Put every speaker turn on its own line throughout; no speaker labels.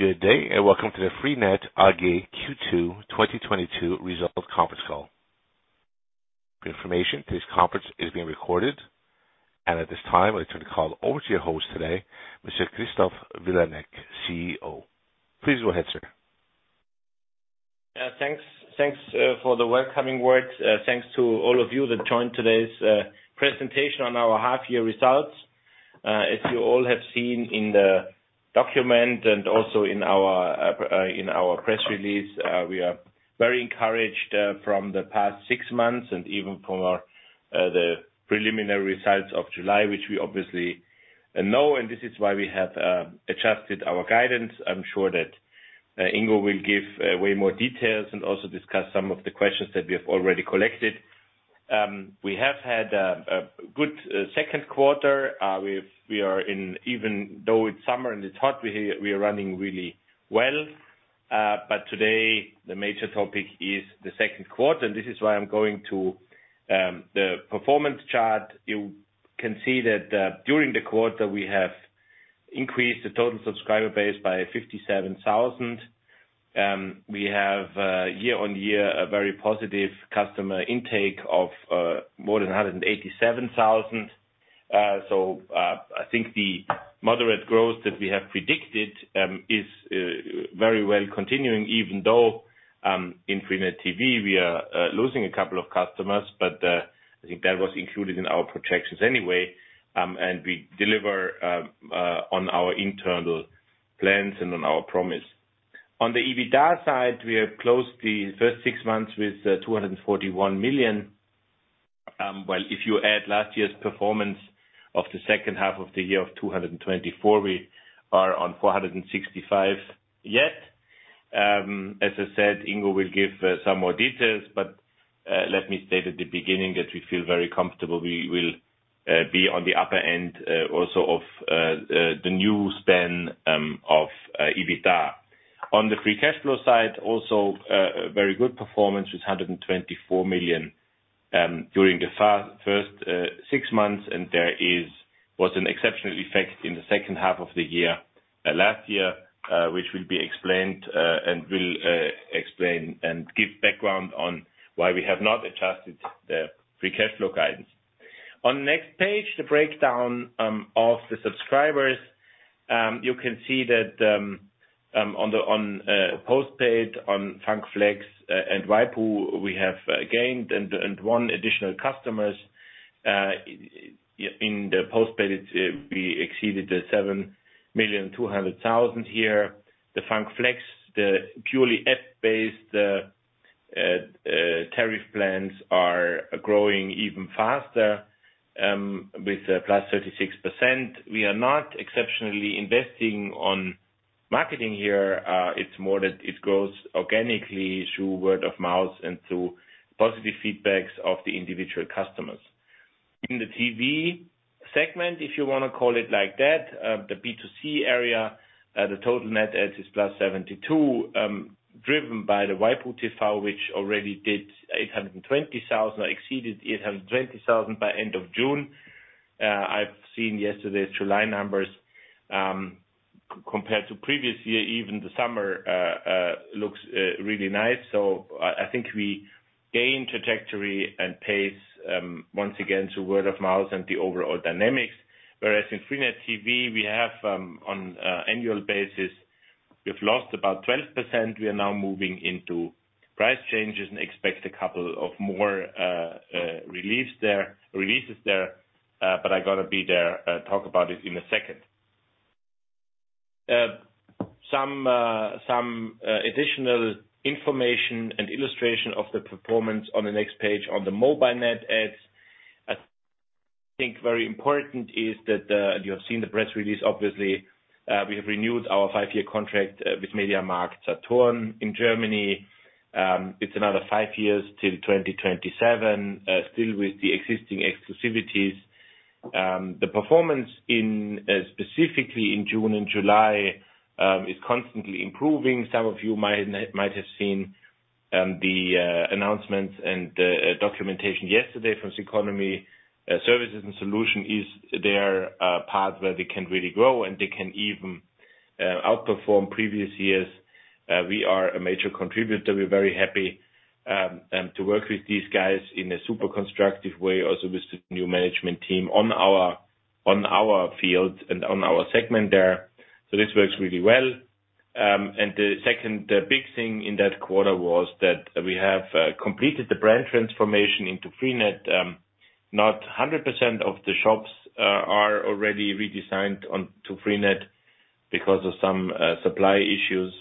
Good day, and welcome to the Freenet AG Q2 2022 Results Conference Call. For information, this conference is being recorded. At this time, I turn the call over to your host today, Mr. Christoph Vilanek, CEO. Please go ahead, sir.
Thanks for the welcoming words. Thanks to all of you that joined today's presentation on our half year results. As you all have seen in the document and also in our press release, we are very encouraged from the past six months and even from our preliminary results of July, which we obviously know, and this is why we have adjusted our guidance. I'm sure that Ingo will give way more details and also discuss some of the questions that we have already collected. We have had a good second quarter. Even though it's summer and it's hot, we are running really well. Today the major topic is the second quarter, and this is why I'm going to the performance chart. You can see that, during the quarter we have increased the total subscriber base by 57,000. We have year on year, a very positive customer intake of more than 187,000. I think the moderate growth that we have predicted is very well continuing, even though in freenet TV, we are losing a couple of customers. I think that was included in our projections anyway, and we deliver on our internal plans and on our promise. On the EBITDA side, we have closed the first six months with 241 million. Well, if you add last year's performance of the second half of the year of 224 million, we are on 465 million yet. As I said, Ingo will give some more details, but let me state at the beginning that we feel very comfortable. We will be on the upper end also of the guidance for EBITDA. On the free cash flow side, also a very good performance with 124 million during the first six months. There was an exceptional effect in the second half of the year last year, which will be explained and give background on why we have not adjusted the free cash flow guidance. On next page, the breakdown of the subscribers, you can see that on postpaid, on freenet FUNK and FLEX, and prepaid, we have gained and won additional customers. In the postpaid, we exceeded the 7.2 million here. The freenet FUNK and FLEX, the purely app-based tariff plans are growing even faster with +36%. We are not exceptionally investing on marketing here. It's more that it grows organically through word of mouth and through positive feedbacks of the individual customers. In the TV segment, if you wanna call it like that, the B2C area, the total net adds is +72, driven by the waipu.tv, which already did 820,000, or exceeded 820,000 by end of June. I've seen yesterday's July numbers compared to previous year, even the summer looks really nice. I think we gain trajectory and pace once again through word of mouth and the overall dynamics. Whereas in freenet TV, we have on annual basis, we've lost about 12%. We are now moving into price changes and expect a couple of more releases there, talk about it in a second. Some additional information and illustration of the performance on the next page on the mobile net adds. I think very important is that and you have seen the press release, obviously, we have renewed our five-year contract with MediaMarktSaturn in Germany. It's another five years till 2027, still with the existing exclusivities. The performance in specifically in June and July is constantly improving. Some of you might have seen the announcements and documentation yesterday from Ceconomy. Services and solutions is their path where they can really grow, and they can even outperform previous years. We are a major contributor. We're very happy to work with these guys in a super constructive way, also with the new management team on our field and on our segment there. This works really well. The second, the big thing in that quarter was that we have completed the brand transformation into freenet. Not 100% of the shops are already redesigned on to freenet because of some supply issues.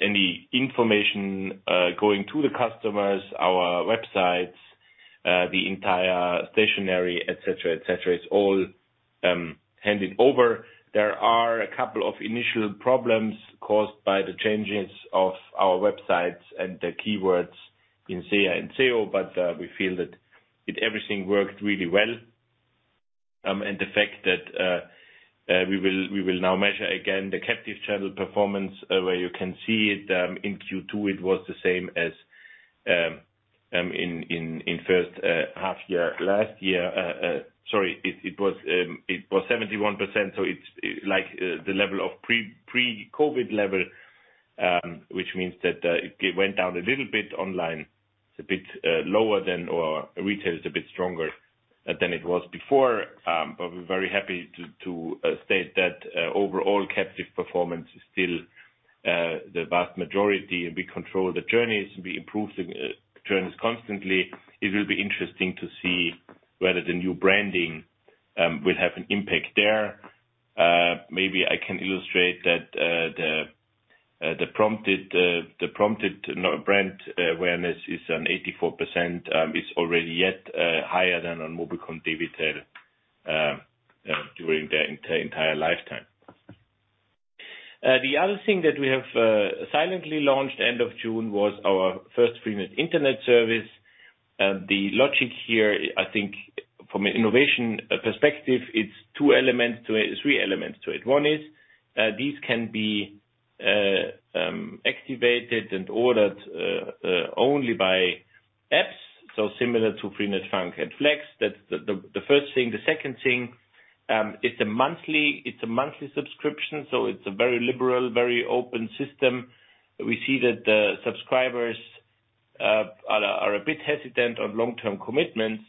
Any information going to the customers, our websites, the entire stationery, et cetera, et cetera, it's all handed over. There are a couple of initial problems caused by the changes of our websites and the keywords in SEA and SEO, but we feel that everything worked really well. The fact that we will now measure again the captive channel performance, where you can see it, in Q2 it was the same as in first half year last year. It was 71%, so it's like the level of pre-COVID level, which means that it went down a little bit online. It's a bit lower than or retail is a bit stronger than it was before. We're very happy to state that overall captive performance is still the vast majority, and we control the journeys, and we improve the journeys constantly. It will be interesting to see whether the new branding will have an impact there. Maybe I can illustrate that the prompted brand awareness is on 84%, is already yet higher than on mobilcom-debitel during their entire lifetime. The other thing that we have silently launched end of June was our first freenet internet service. The logic here, I think from an innovation perspective, it's three elements to it. One is these can be activated and ordered only by apps, so similar to freenet FUNK and FLEX. That's the first thing. The second thing, it's a monthly subscription, so it's a very liberal, very open system. We see that the subscribers are a bit hesitant on long-term commitments,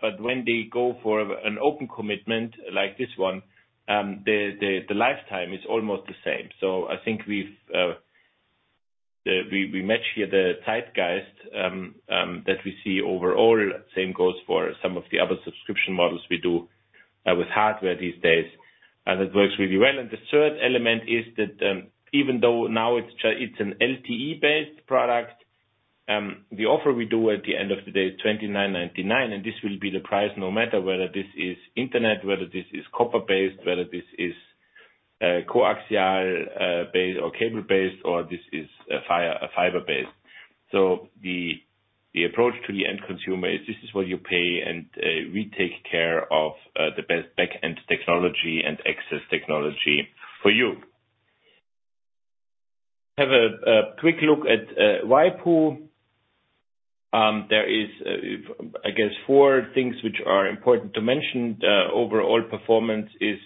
but when they go for an open commitment like this one, the lifetime is almost the same. I think we match here the zeitgeist that we see overall. Same goes for some of the other subscription models we do with hardware these days. That works really well. The third element is that, even though now it's an LTE-based product, the offer we do at the end of the day is 29.99, and this will be the price no matter whether this is internet, whether this is copper-based, whether this is coaxial-based or cable-based, or this is fiber-based. The approach to the end consumer is this is what you pay, and we take care of the best back-end technology and access technology for you. Have a quick look at waipu.tv. There is, I guess, four things which are important to mention. Overall performance is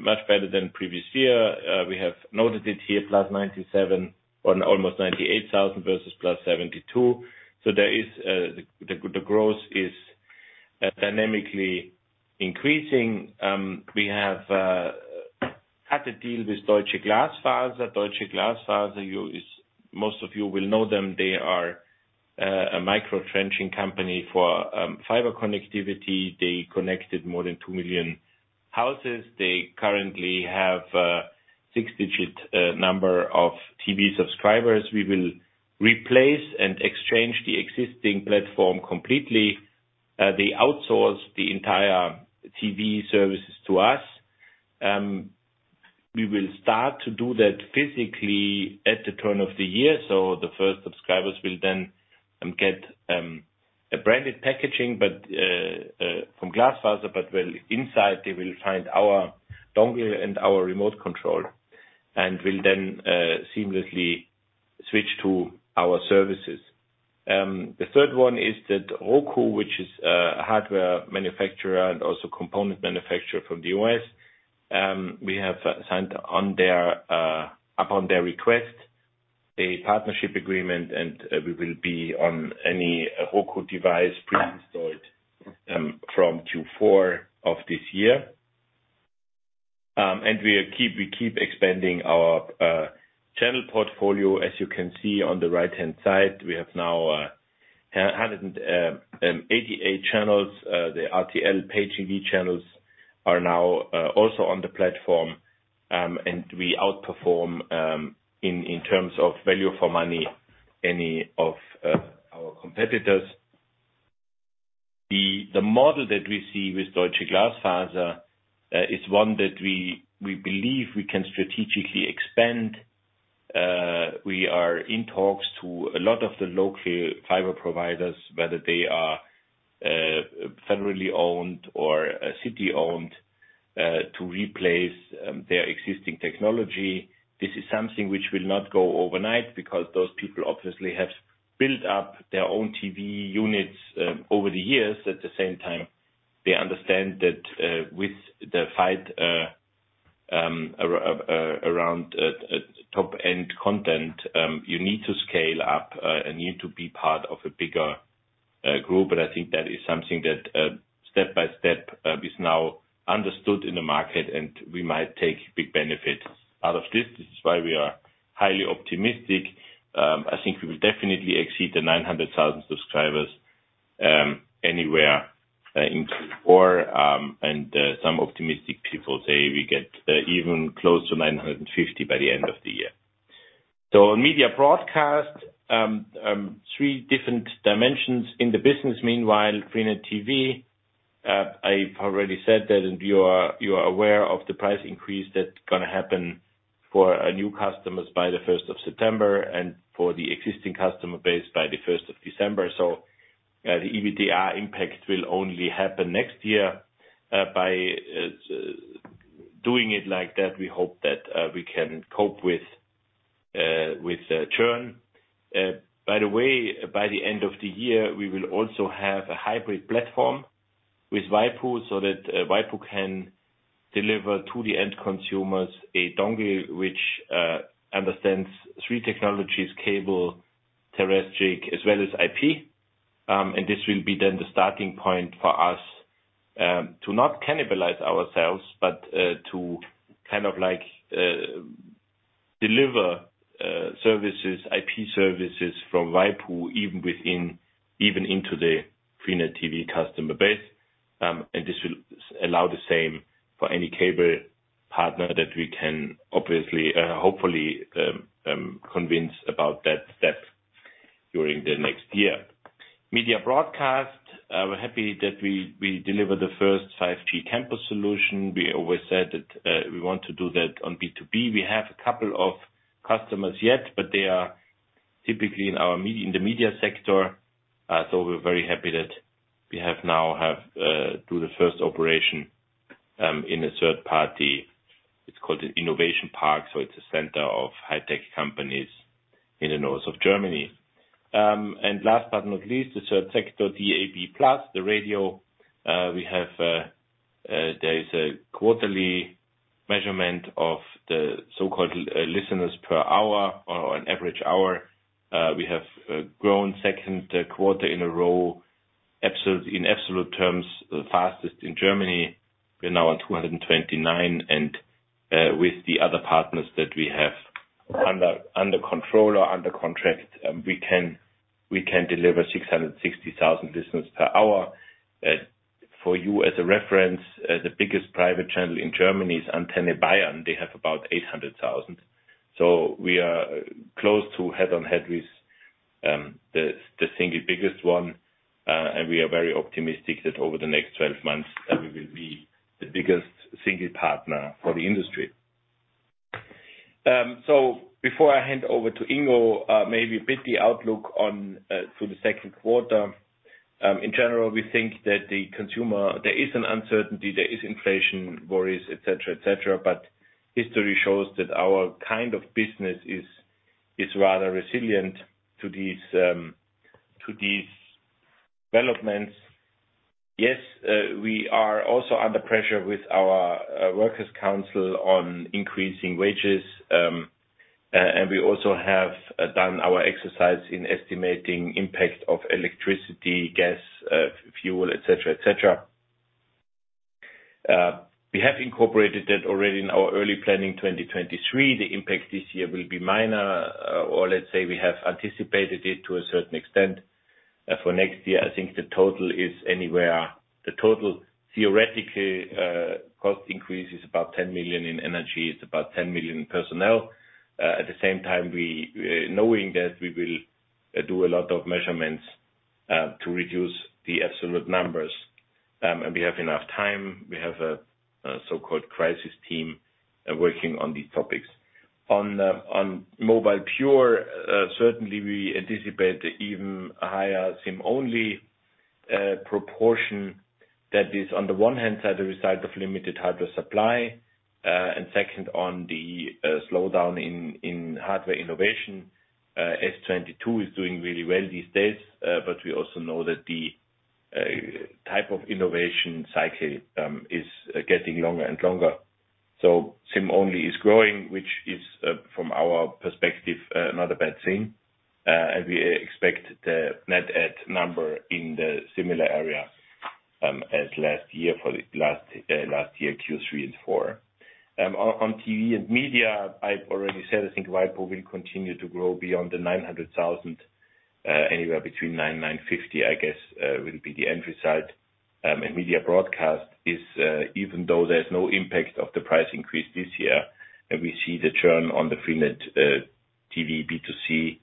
much better than previous year. We have noted it here, +97 or almost +98 thousand versus +72. The growth is dynamically increasing. We have cut a deal with Deutsche Glasfaser. Deutsche Glasfaser is, most of you will know them. They are a micro trenching company for fiber connectivity. They connected more than two million houses. They currently have a six-digit number of TV subscribers. We will replace and exchange the existing platform completely. They outsource the entire TV services to us. We will start to do that physically at the turn of the year. The first subscribers will then get a branded packaging, but from Glasfaser, but where inside they will find our dongle and our remote control, and will then seamlessly switch to our services. The third one is that Roku, which is a hardware manufacturer and also component manufacturer from the U.S., we have signed on their, upon their request a partnership agreement, and we will be on any Roku device pre-installed, from Q4 of this year. We keep expanding our channel portfolio. As you can see on the right-hand side, we have now 188 channels. The RTL Pay TV channels are now also on the platform, and we outperform in terms of value for money any of our competitors. The model that we see with Deutsche Glasfaser is one that we believe we can strategically expand. We are in talks to a lot of the local fiber providers, whether they are federally owned or city owned, to replace their existing technology. This is something which will not go overnight because those people obviously have built up their own TV units over the years. At the same time, they understand that with the fight around top-end content, you need to scale up and you need to be part of a bigger group. I think that is something that step by step is now understood in the market and we might take big benefits out of this. This is why we are highly optimistic. I think we will definitely exceed the 900,000 subscribers anywhere in Q4. Some optimistic people say we get even close to 950 by the end of the year. On Media Broadcast, three different dimensions in the business. Meanwhile, freenet TV, I've already said that and you are aware of the price increase that's gonna happen for new customers by the first of September, and for the existing customer base by the first of December. The EBITDA impact will only happen next year, by doing it like that, we hope that we can cope with the churn. By the way, by the end of the year, we will also have a hybrid platform with waipu.tv so that waipu.tv can deliver to the end consumers a dongle which understands three technologies, cable, terrestrial, as well as IP. This will be then the starting point for us to not cannibalize ourselves, but to kind of like deliver services, IP services from Waipu, even into the Freenet TV customer base. This will allow the same for any cable partner that we can obviously hopefully convince about that step during the next year. Media Broadcast. We're happy that we delivered the first 5G campus solution. We always said that we want to do that on B2B. We have a couple of customers yet, but they are typically in the media sector. We're very happy that we have now done the first operation in a third party. It's called an innovation park. It's a center of high-tech companies in the north of Germany. Last but not least, the third sector, DAB+, the radio. There is a quarterly measurement of the so-called listeners per hour or an average hour. We have grown second quarter in a row, in absolute terms, fastest in Germany. We're now on 229, and with the other partners that we have under control or under contract, we can deliver 660,000 listeners per hour. For you as a reference, the biggest private channel in Germany is Antenne Bayern. They have about 800,000. We are close to head-to-head with the single biggest one. We are very optimistic that over the next 12 months, we will be the biggest single partner for the industry. Before I hand over to Ingo, maybe a bit the outlook on for the second quarter. In general, we think that the consumer, there is an uncertainty, there is inflation worries, et cetera, et cetera. History shows that our kind of business is rather resilient to these developments. We are also under pressure with our workers' council on increasing wages, and we also have done our exercise in estimating impact of electricity, gas, fuel, et cetera, et cetera. We have incorporated that already in our early planning for 2023. The impact this year will be minor, or let's say we have anticipated it to a certain extent. For next year, I think the total theoretically cost increase is about 10 million in energy. It's about 10 million in personnel. At the same time, we know that we will do a lot of measures to reduce the absolute numbers. We have enough time. We have a so-called crisis team working on these topics. On mobile pure, certainly we anticipate even higher SIM-only proportion that is on the one hand side, a result of limited hardware supply. And second, on the slowdown in hardware innovation. S22 is doing really well these days, but we also know that the type of innovation cycle is getting longer and longer. SIM-only is growing, which is, from our perspective, not a bad thing. We expect the net add number in the similar area, as last year, Q3 and Q4. On TV and media, I've already said, I think waipu will continue to grow beyond the 900,000, anywhere between 900 and 950, I guess, will be the end result. Media Broadcast is, even though there's no impact of the price increase this year, and we see the churn on the freenet TV B2C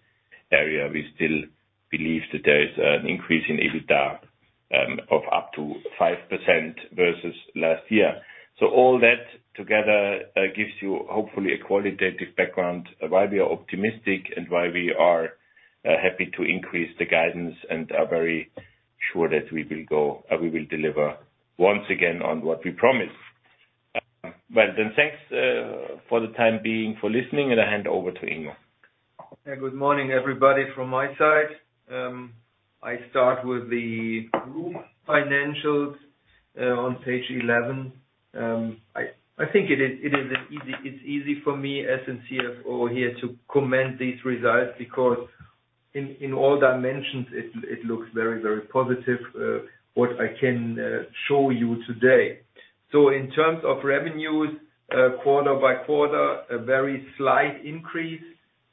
area, we still believe that there is an increase in EBITDA of up to 5% versus last year. All that together gives you hopefully a qualitative background of why we are optimistic and why we are happy to increase the guidance and are very sure that we will deliver once again on what we promised. Thanks for the time being for listening, and I hand over to Ingo.
Yeah. Good morning, everybody, from my side. I start with the group financials on page 11. I think it is easy for me as a CFO here to comment these results because in all dimensions, it looks very positive what I can show you today. In terms of revenues quarter by quarter, a very slight increase.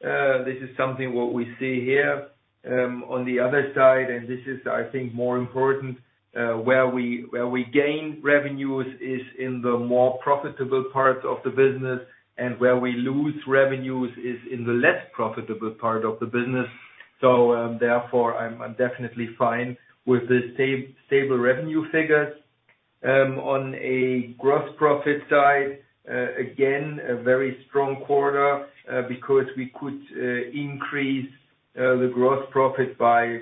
This is something what we see here on the other side, and this is, I think, more important, where we gain revenues is in the more profitable parts of the business, and where we lose revenues is in the less profitable part of the business. Therefore, I'm definitely fine with the stable revenue figures. On a gross profit side, again, a very strong quarter, because we could increase the gross profit by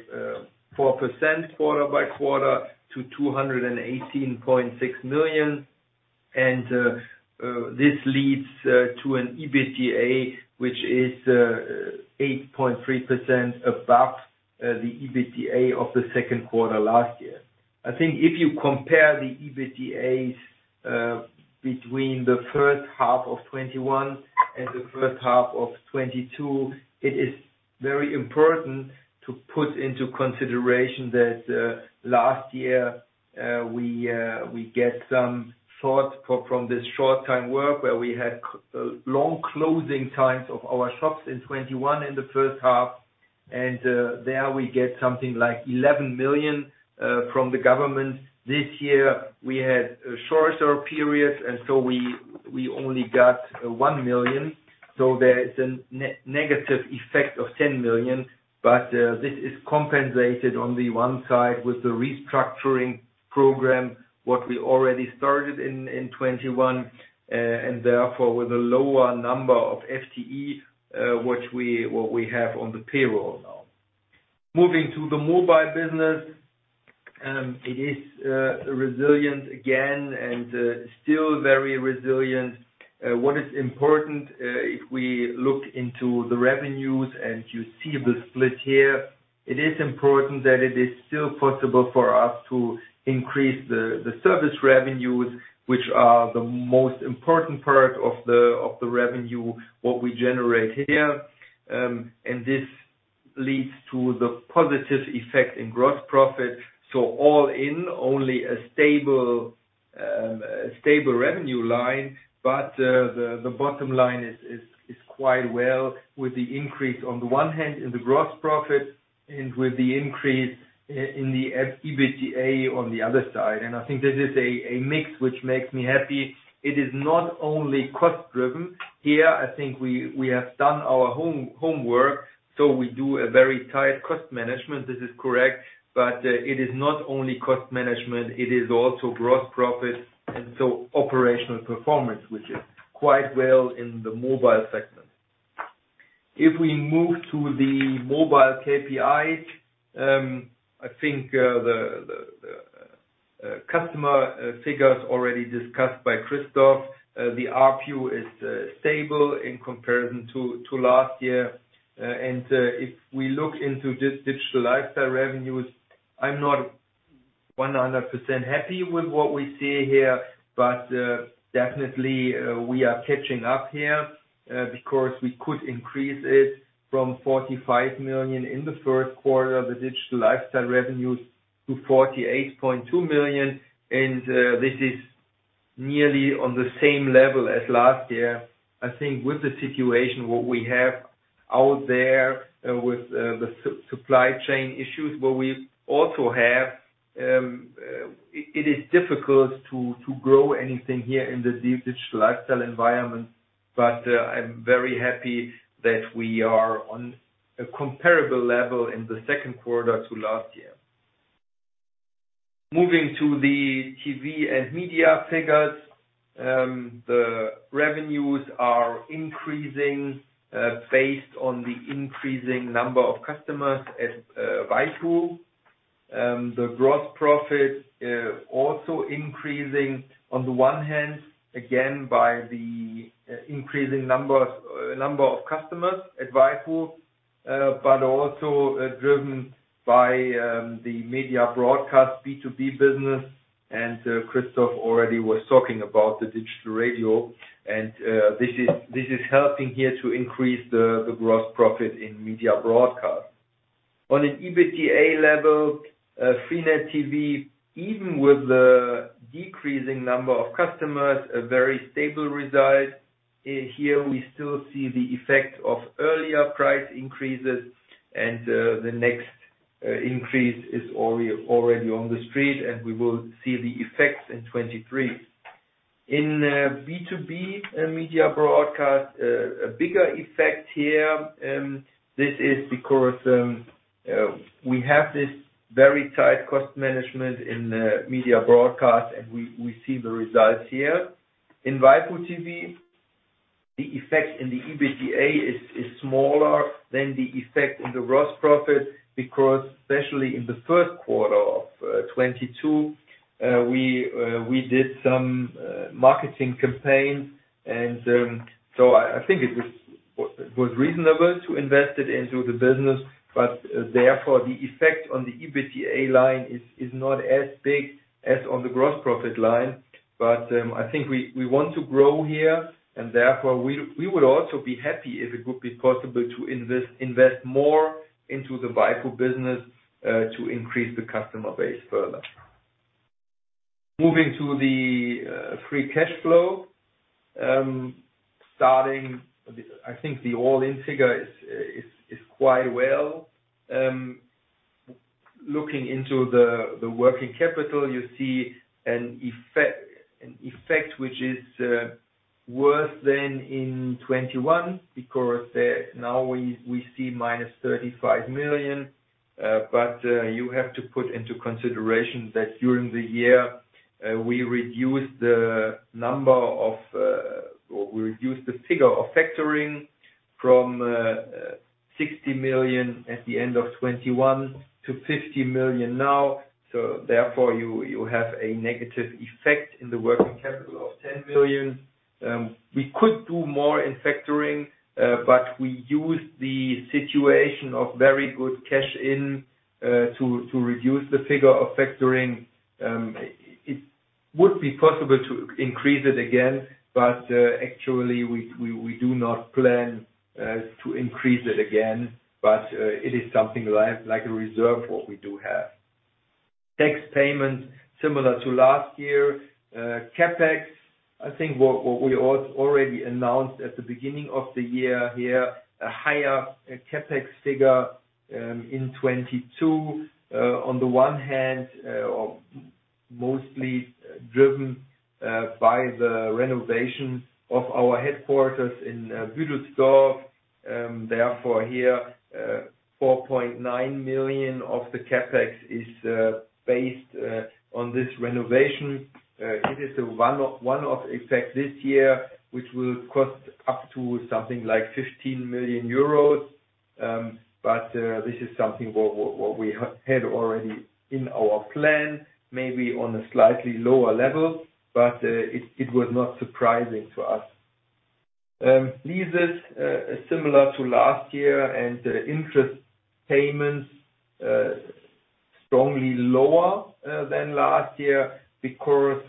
4% quarter by quarter to 218.6 million. This leads to an EBITDA, which is 8.3% above the EBITDA of the second quarter last year. I think if you compare the EBITDA between the first half of 2021 and the first half of 2022, it is very important to put into consideration that last year, we got some funds from this short-time work where we had long closing times of our shops in 2021 in the first half. There we got something like 11 million from the government. This year, we had shorter periods, so we only got 1 million. There is a negative effect of 10 million. This is compensated on the one side with the restructuring program what we already started in 2021 and therefore with a lower number of FTE which we have on the payroll now. Moving to the mobile business, it is resilient again and still very resilient. What is important if we look into the revenues and you see the split here, it is important that it is still possible for us to increase the service revenues, which are the most important part of the revenue what we generate here. This leads to the positive effect in gross profit. All in all, only a stable revenue line, but the bottom line is quite well with the increase on the one hand in the gross profit and with the increase in the EBITDA on the other side. I think this is a mix which makes me happy. It is not only cost-driven. Here, I think we have done our homework, so we do a very tight cost management. This is correct. It is not only cost management, it is also gross profit, and so operational performance, which is quite well in the mobile segment. If we move to the mobile KPIs, I think the customer figures already discussed by Christoph, the ARPU is stable in comparison to last year. If we look into this Digital Lifestyle revenues, I'm not 100% happy with what we see here, but definitely, we are catching up here, because we could increase it from 45 million in the first quarter of the Digital Lifestyle revenues to 48.2 million. This is nearly on the same level as last year. I think with the situation, what we have out there, with the supply chain issues, where we also have, it is difficult to grow anything here in the Digital Lifestyle environment. I'm very happy that we are on a comparable level in the second quarter to last year. Moving to the TV and Media figures, the revenues are increasing based on the increasing number of customers at Waipu. The gross profit also increasing on the one hand, again, by the increasing number of customers at waipu.tv, but also driven by the Media Broadcast B2B business. Christoph already was talking about the digital radio. This is helping here to increase the gross profit in Media Broadcast. On an EBITDA level, Freenet TV, even with the decreasing number of customers, a very stable result. Here we still see the effect of earlier price increases, and the next increase is already on the street, and we will see the effects in 2023. In B2B, Media Broadcast, a bigger effect here. This is because we have this very tight cost management in the Media Broadcast, and we see the results here. In waipu.tv, the effect in the EBITDA is smaller than the effect in the gross profit, because especially in the first quarter of 2022, we did some marketing campaign. I think it was reasonable to invest it into the business, but therefore, the effect on the EBITDA line is not as big as on the gross profit line. I think we want to grow here, and therefore we would also be happy if it would be possible to invest more into the waipu.tv business, to increase the customer base further. Moving to the free cash flow. Starting, I think the all-in figure is quite well. Looking into the working capital, you see an effect which is worse than in 2021 because now we see -35 million. You have to put into consideration that during the year, we reduced the figure of factoring from 60 million at the end of 2021 to 50 million now. Therefore, you have a negative effect in the working capital of 10 million. We could do more in factoring, but we used the situation of very good cash in to reduce the figure of factoring. It would be possible to increase it again, but actually, we do not plan to increase it again. It is something like a reserve what we do have. Tax payment similar to last year. CapEx, I think what we already announced at the beginning of the year here, a higher CapEx figure in 2022. On the one hand, mostly driven by the renovation of our headquarters in Büdelsdorf, therefore here, 4.9 million of the CapEx is based on this renovation. It is a one-off effect this year, which will cost up to something like 15 million euros. This is something that we had already in our plan, maybe on a slightly lower level, it was not surprising to us. Leases similar to last year, and interest payments strongly lower than last year because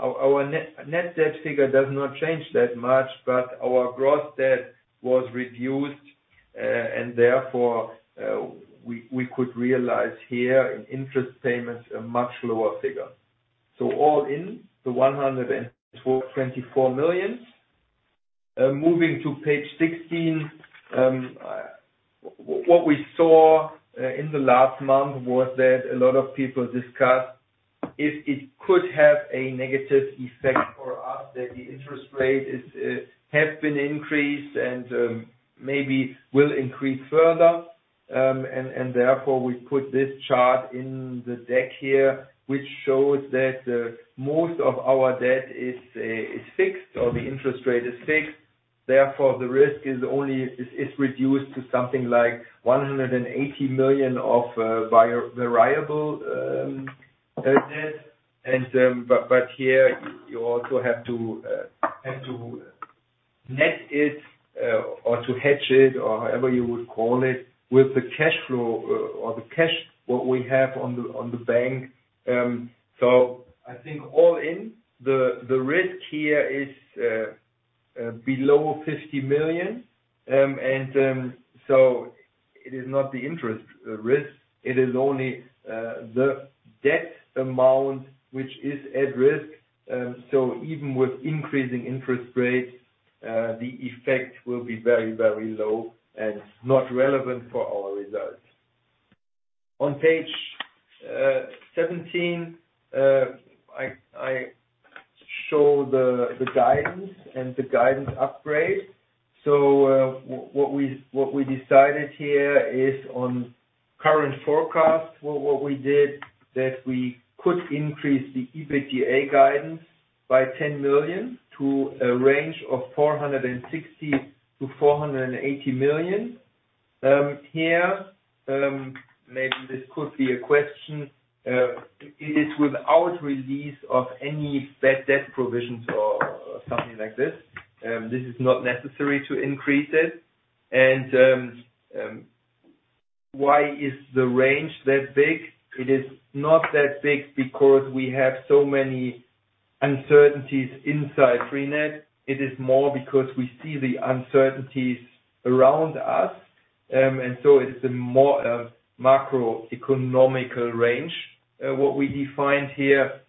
our net debt figure does not change that much, but our gross debt was reduced. Therefore we could realize here in interest payments a much lower figure. All in 104.4 million. Moving to page 16. What we saw in the last month was that a lot of people discussed if it could have a negative effect for us, that the interest rate has been increased and maybe will increase further. Therefore, we put this chart in the deck here, which shows that most of our debt is fixed or the interest rate is fixed. Therefore, the risk is only reduced to something like 180 million of variable debt. Here you also have to net it or to hedge it or however you would call it, with the cash flow or the cash that we have in the bank. I think all in all, the risk here is below EUR 50 million. It is not the interest risk. It is only the debt amount which is at risk. Even with increasing interest rates, the effect will be very low and not relevant for our results. On page 17, I show the guidance and the guidance upgrade. What we decided here is on current forecast. What we did, that we could increase the EBITDA guidance by 10 million to a range of 460 million-480 million. Here, maybe this could be a question. It is without release of any bad debt provisions or something like this. This is not necessary to increase it. Why is the range that big? It is not that big because we have so many uncertainties inside freenet. It is more because we see the uncertainties around us. It is a more macroeconomic range what we define here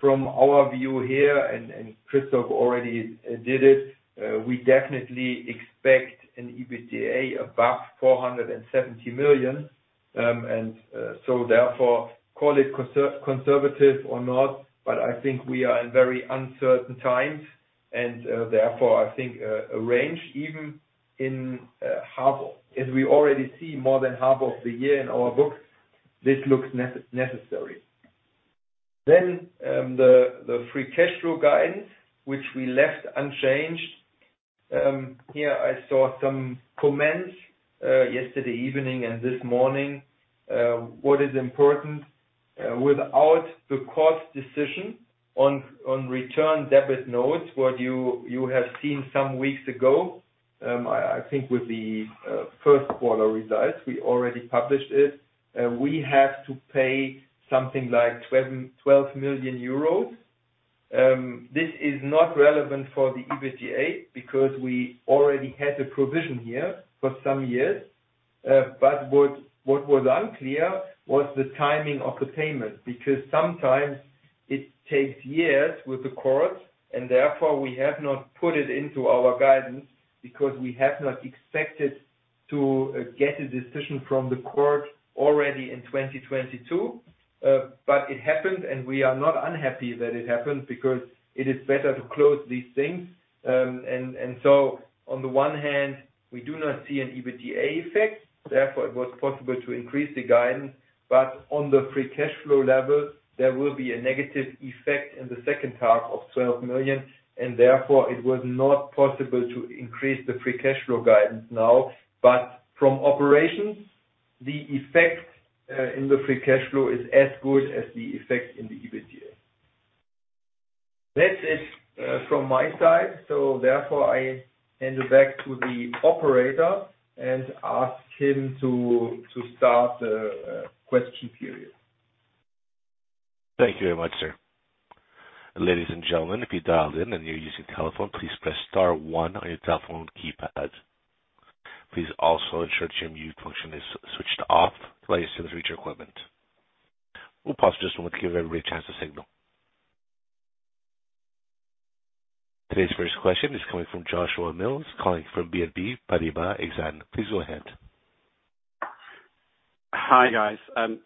from our view here, and Christoph already did it. We definitely expect an EBITDA above 470 million. Therefore, call it conservative or not, but I think we are in very uncertain times. Therefore, I think a range even in half of the year, as we already see more than half of the year in our books. This looks necessary. The free cash flow guidance, which we left unchanged. Here I saw some comments yesterday evening and this morning. What is important, without the cost decision on return debit notes, what you have seen some weeks ago. I think with the first quarter results, we already published it. We have to pay something like 12 million euros. This is not relevant for the EBITDA because we already had a provision here for some years. What was unclear was the timing of the payment, because sometimes it takes years with the courts, and therefore we have not put it into our guidance because we have not expected.
To get a decision from the court already in 2022, but it happened, and we are not unhappy that it happened because it is better to close these things. On the one hand, we do not see an EBITDA effect, therefore it was possible to increase the guidance. On the free cash flow level, there will be a negative effect in the second half of 12 million, and therefore it was not possible to increase the free cash flow guidance now. From operations, the effect in the free cash flow is as good as the effect in the EBITDA. That's it, from my side. I hand it back to the operator and ask him to start the question period.
Thank you very much, sir. Ladies and gentlemen, if you dialed in and you're using a telephone, please press star one on your telephone keypad. Please also ensure your mute function is switched off to allow your service to reach your equipment. We'll pause just one to give everybody a chance to signal. Today's first question is coming from Joshua Mills, calling from BNP Paribas Exane. Please go ahead.
Hi, guys.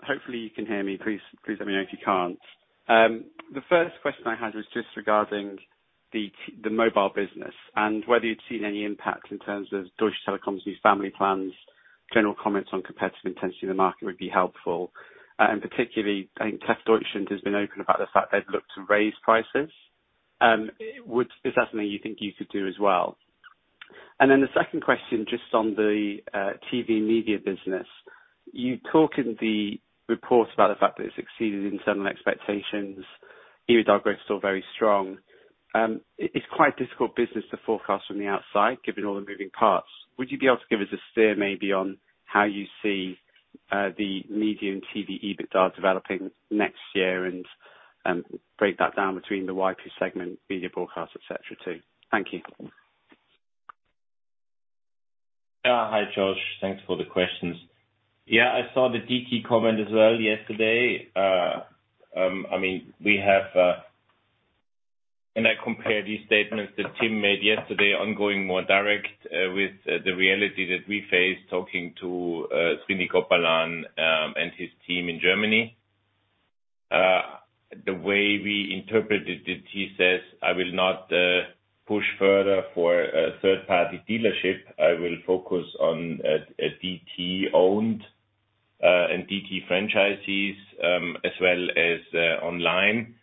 Hopefully you can hear me. Please let me know if you can't. The first question I had was just regarding the mobile business, and whether you'd seen any impact in terms of Deutsche Telekom's new family plans. General comments on competitive intensity in the market would be helpful. Particularly, I think the Deutsche has been open about the fact they'd look to raise prices. Is that something you think you could do as well? The second question, just on the TV media business. You talk in the report about the fact that it's exceeded certain expectations. EBITDA growth is still very strong. It's quite a difficult business to forecast from the outside, given all the moving parts. Would you be able to give us a steer maybe on how you see the media and TV EBITDA developing next year and break that down between the waipu segment, Media Broadcast, et cetera, too? Thank you.
Hi, Josh. Thanks for the questions. Yeah, I saw the DT comment as well yesterday. I mean, I compare these statements that Tim made yesterday ongoing more direct with the reality that we face talking to Srini Gopalan and his team in Germany. The way we interpreted it, he says, "I will not push further for a third-party dealership. I will focus on a DT-owned and DT franchisees, as well as online."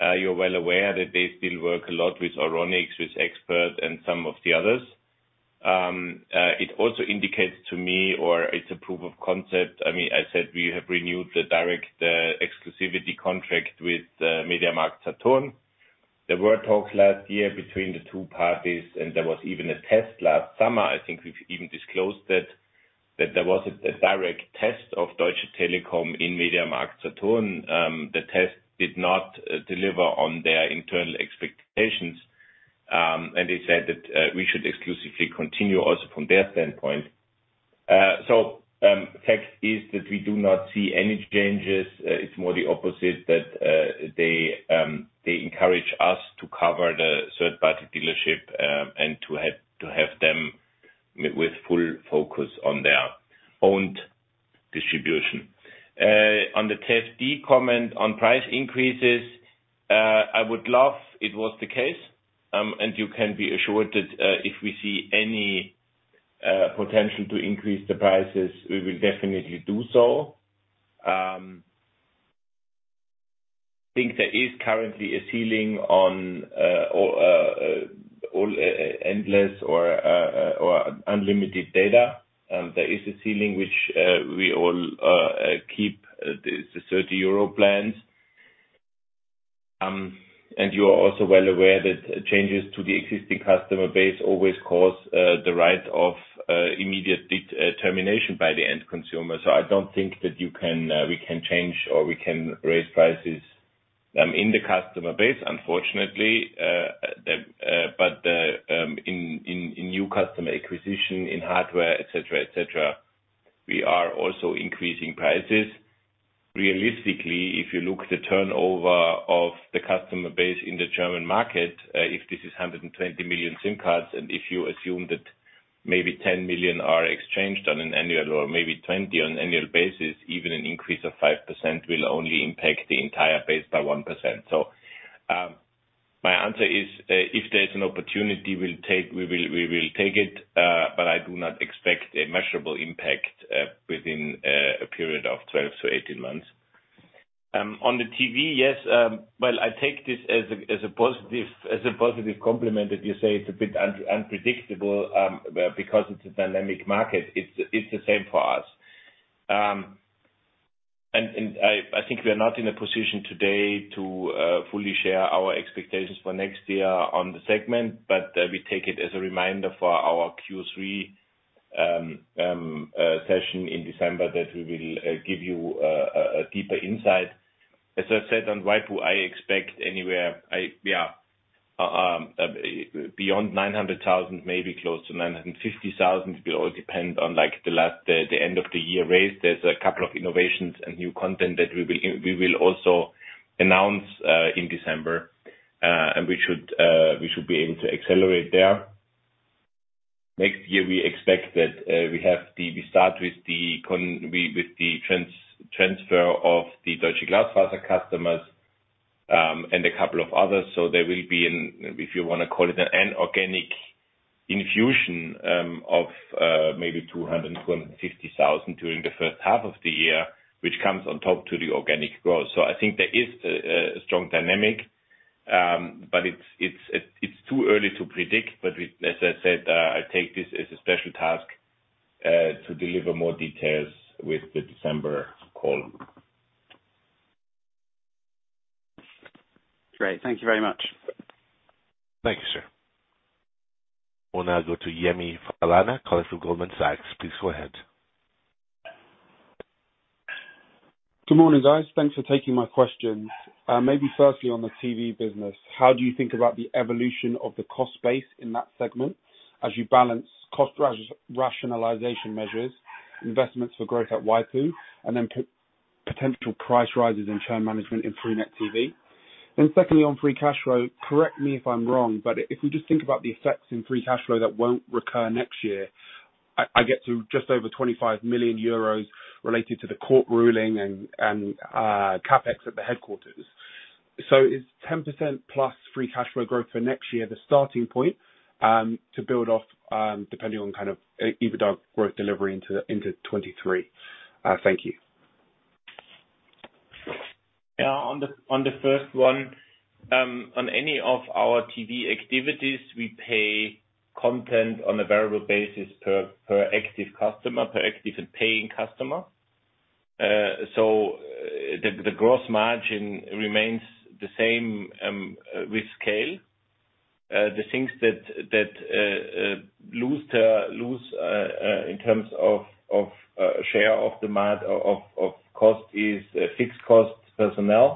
You're well aware that they still work a lot with Euronics, with Expert and some of the others. It also indicates to me or it's a proof of concept. I mean, I said we have renewed the direct exclusivity contract with MediaMarktSaturn. There were talks last year between the two parties, and there was even a test last summer. I think we've even disclosed that there was a direct test of Deutsche Telekom in MediaMarktSaturn. The test did not deliver on their internal expectations, and they said that we should exclusively continue also from their standpoint. Fact is that we do not see any changes. It's more the opposite that they encourage us to cover the third-party dealership, and to have them with full focus on their own distribution. On the TSD comment on price increases, I would love it was the case, and you can be assured that if we see any potential to increase the prices, we will definitely do so. Think there is currently a ceiling on all endless or unlimited data. There is a ceiling which we all keep the 30 euro plans. You are also well aware that changes to the existing customer base always cause the right of immediate termination by the end consumer. I don't think that we can change or we can raise prices in the customer base, unfortunately. In new customer acquisition, in hardware, et cetera, we are also increasing prices. Realistically, if you look at the turnover of the customer base in the German market, if this is 120 million SIM cards, and if you assume that maybe 10 million are exchanged on an annual or maybe 20 on an annual basis, even an increase of 5% will only impact the entire base by 1%. My answer is, if there's an opportunity, we will take it, but I do not expect a measurable impact within a period of 12-18 months. On the TV, yes, well, I take this as a positive compliment that you say it's a bit unpredictable, because it's a dynamic market. It's the same for us. I think we are not in a position today to fully share our expectations for next year on the segment, but we take it as a reminder for our Q3 session in December that we will give you a deeper insight. As I said on Q2, I expect anywhere we are beyond 900,000, maybe close to 950,000. It will all depend on, like, the end of the year raise. There's a couple of innovations and new content that we will also announce in December. We should be able to accelerate there. Next year, we expect that we start with the transfer of the Deutsche Glasfaser customers, and a couple of others. There will be an, if you wanna call it an organic infusion of maybe 250,000 during the first half of the year, which comes on top of the organic growth. I think there is a strong dynamic, but it's too early to predict. As I said, I take this as a special task to deliver more details with the December call.
Great. Thank you very much.
Thank you, sir. We'll now go to Yemi Falana, Goldman Sachs. Please go ahead.
Good morning, guys. Thanks for taking my questions. Maybe firstly on the TV business, how do you think about the evolution of the cost base in that segment as you balance cost rationalization measures, investments for growth at waipu.tv, and then potential price rises and churn management in freenet TV? Secondly, on free cash flow, correct me if I'm wrong, but if we just think about the effects in free cash flow that won't recur next year, I get to just over 25 million euros related to the court ruling and CapEx at the headquarters. Is 10%+ free cash flow growth for next year the starting point to build off, depending on kind of EBITDA growth delivery into 2023? Thank you.
On the first one, on any of our TV activities, we pay content on a variable basis per active customer, per active and paying customer. The gross margin remains the same with scale. The things that lose in terms of share of the cost is fixed costs personnel.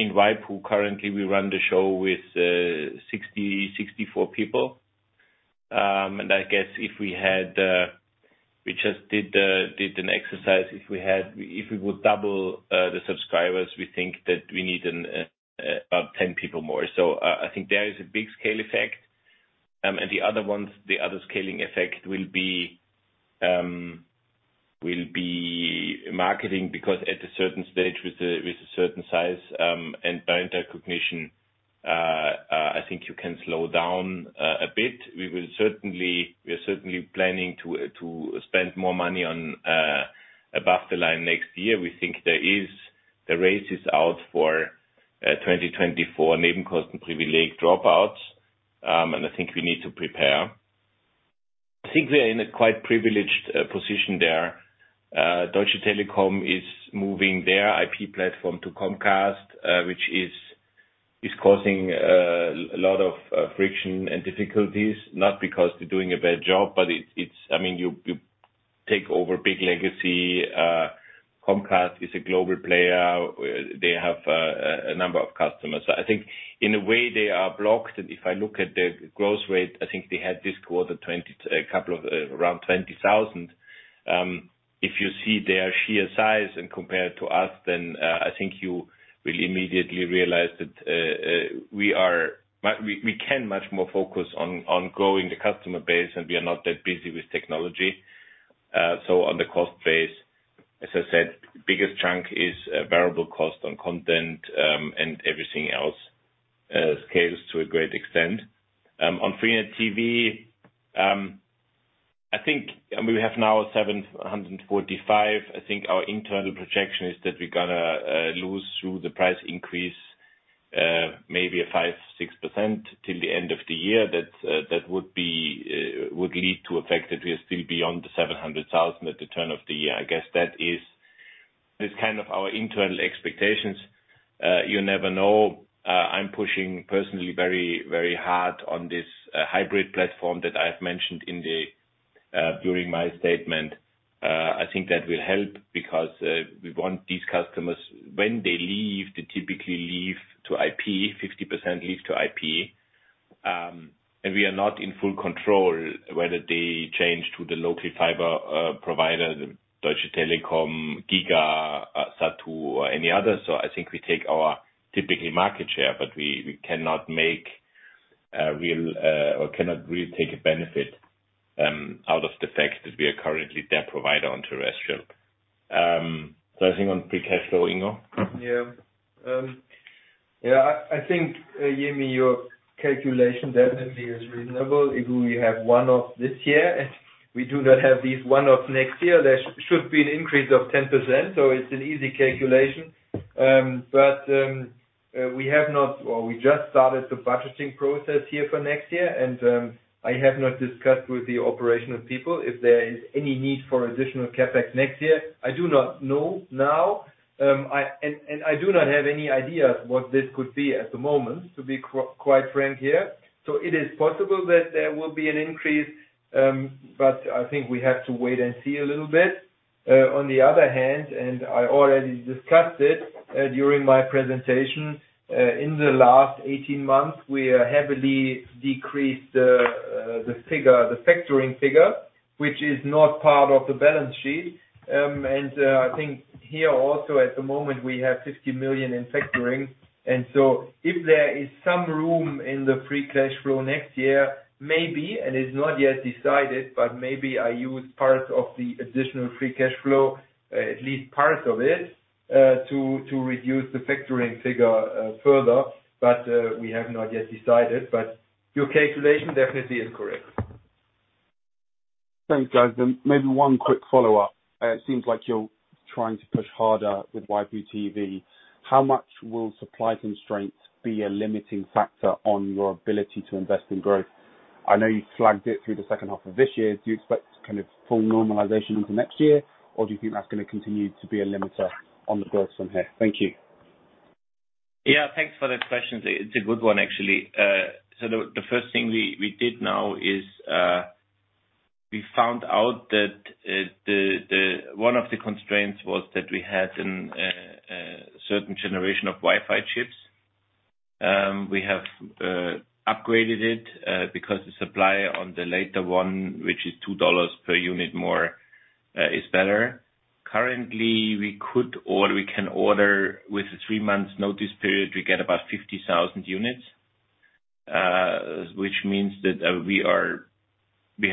In Waipu, currently we run the show with 64 people. I guess if we had, we just did an exercise, if we would double the subscribers, we think that we need about 10 people more. I think there is a big scale effect. The other scaling effect will be marketing, because at a certain stage with a certain size and brand recognition, I think you can slow down a bit. We are certainly planning to spend more money on above the line next year. We think the race is on for 2020 for Nebenkostenprivileg dropouts, and I think we need to prepare. I think we are in a quite privileged position there. Deutsche Telekom is moving their IP platform to Comcast, which is causing a lot of friction and difficulties, not because they're doing a bad job, but it's I mean, you take over big legacy. Comcast is a global player. They have a number of customers. I think in a way they are blocked. If I look at the growth rate, I think they had this quarter around 20,000. If you see their sheer size and compare it to us, then I think you will immediately realize that we can much more focus on growing the customer base, and we are not that busy with technology. On the cost base, as I said, biggest chunk is variable cost on content, and everything else scales to a great extent. On freenet TV, I think we have now 745. I think our internal projection is that we're gonna lose through the price increase maybe 5%-6% till the end of the year. That would lead to effect that we are still beyond the 700,000 at the turn of the year. I guess that is, that's kind of our internal expectations. You never know. I'm pushing personally very, very hard on this hybrid platform that I've mentioned during my statement. I think that will help because we want these customers, when they leave, they typically leave to IP. 50% leaves to IP. We are not in full control whether they change to the local fiber provider, the Deutsche Telekom, GigaTV, Zattoo, or any other. I think we take our typical market share, but we cannot really take a benefit out of the fact that we are currently their provider on terrestrial. Something on free cash flow, Ingo?
Yeah. Yeah, I think, Yemi, your calculation definitely is reasonable. If we have one-off this year and we do not have these one-off next year, there should be an increase of 10%, so it's an easy calculation. But we just started the budgeting process here for next year, and I have not discussed with the operational people if there is any need for additional CapEx next year. I do not know now. I do not have any idea what this could be at the moment, to be quite frank here. It is possible that there will be an increase, but I think we have to wait and see a little bit. On the other hand, I already discussed it during my presentation. In the last 18 months, we have heavily decreased the figure, the factoring figure. Which is not part of the balance sheet. I think here also at the moment we have 50 million in factoring. If there is some room in the free cash flow next year, maybe, and it's not yet decided, but maybe I use part of the additional free cash flow, at least part of it, to reduce the factoring figure further. We have not yet decided, but your calculation definitely is correct.
Thanks, guys. Maybe one quick follow-up. It seems like you're trying to push harder with waipu.tv. How much will supply constraints be a limiting factor on your ability to invest in growth? I know you flagged it through the second half of this year. Do you expect kind of full normalization into next year, or do you think that's gonna continue to be a limiter on the growth from here? Thank you.
Yeah, thanks for the question. It's a good one, actually. The first thing we did now is we found out that one of the constraints was that we had in certain generation of Wi-Fi chips. We have upgraded it because the supply on the later one, which is $2 per unit more, is better. Currently, we could or we can order with a three months notice period, we get about 50,000 units. Which means that we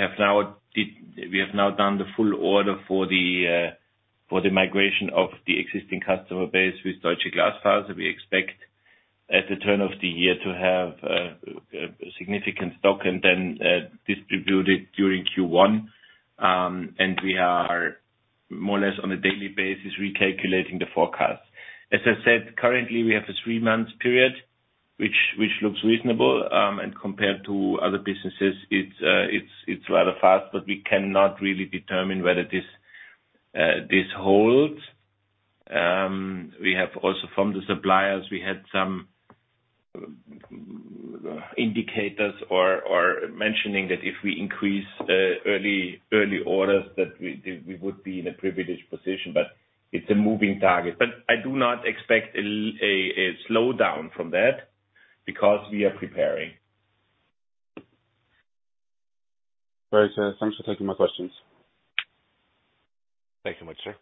have now done the full order for the migration of the existing customer base with Deutsche Glasfaser. We expect at the turn of the year to have significant stock and then distribute it during Q1. We are more or less, on a daily basis, recalculating the forecast. As I said, currently, we have a three-month period, which looks reasonable, and compared to other businesses, it's rather fast, but we cannot really determine whether this holds. We have also from the suppliers, we had some indicators or mentioning that if we increase early orders, that we would be in a privileged position, but it's a moving target. I do not expect a slowdown from that because we are preparing.
Great. Thanks for taking my questions.
Thanks so much, sir.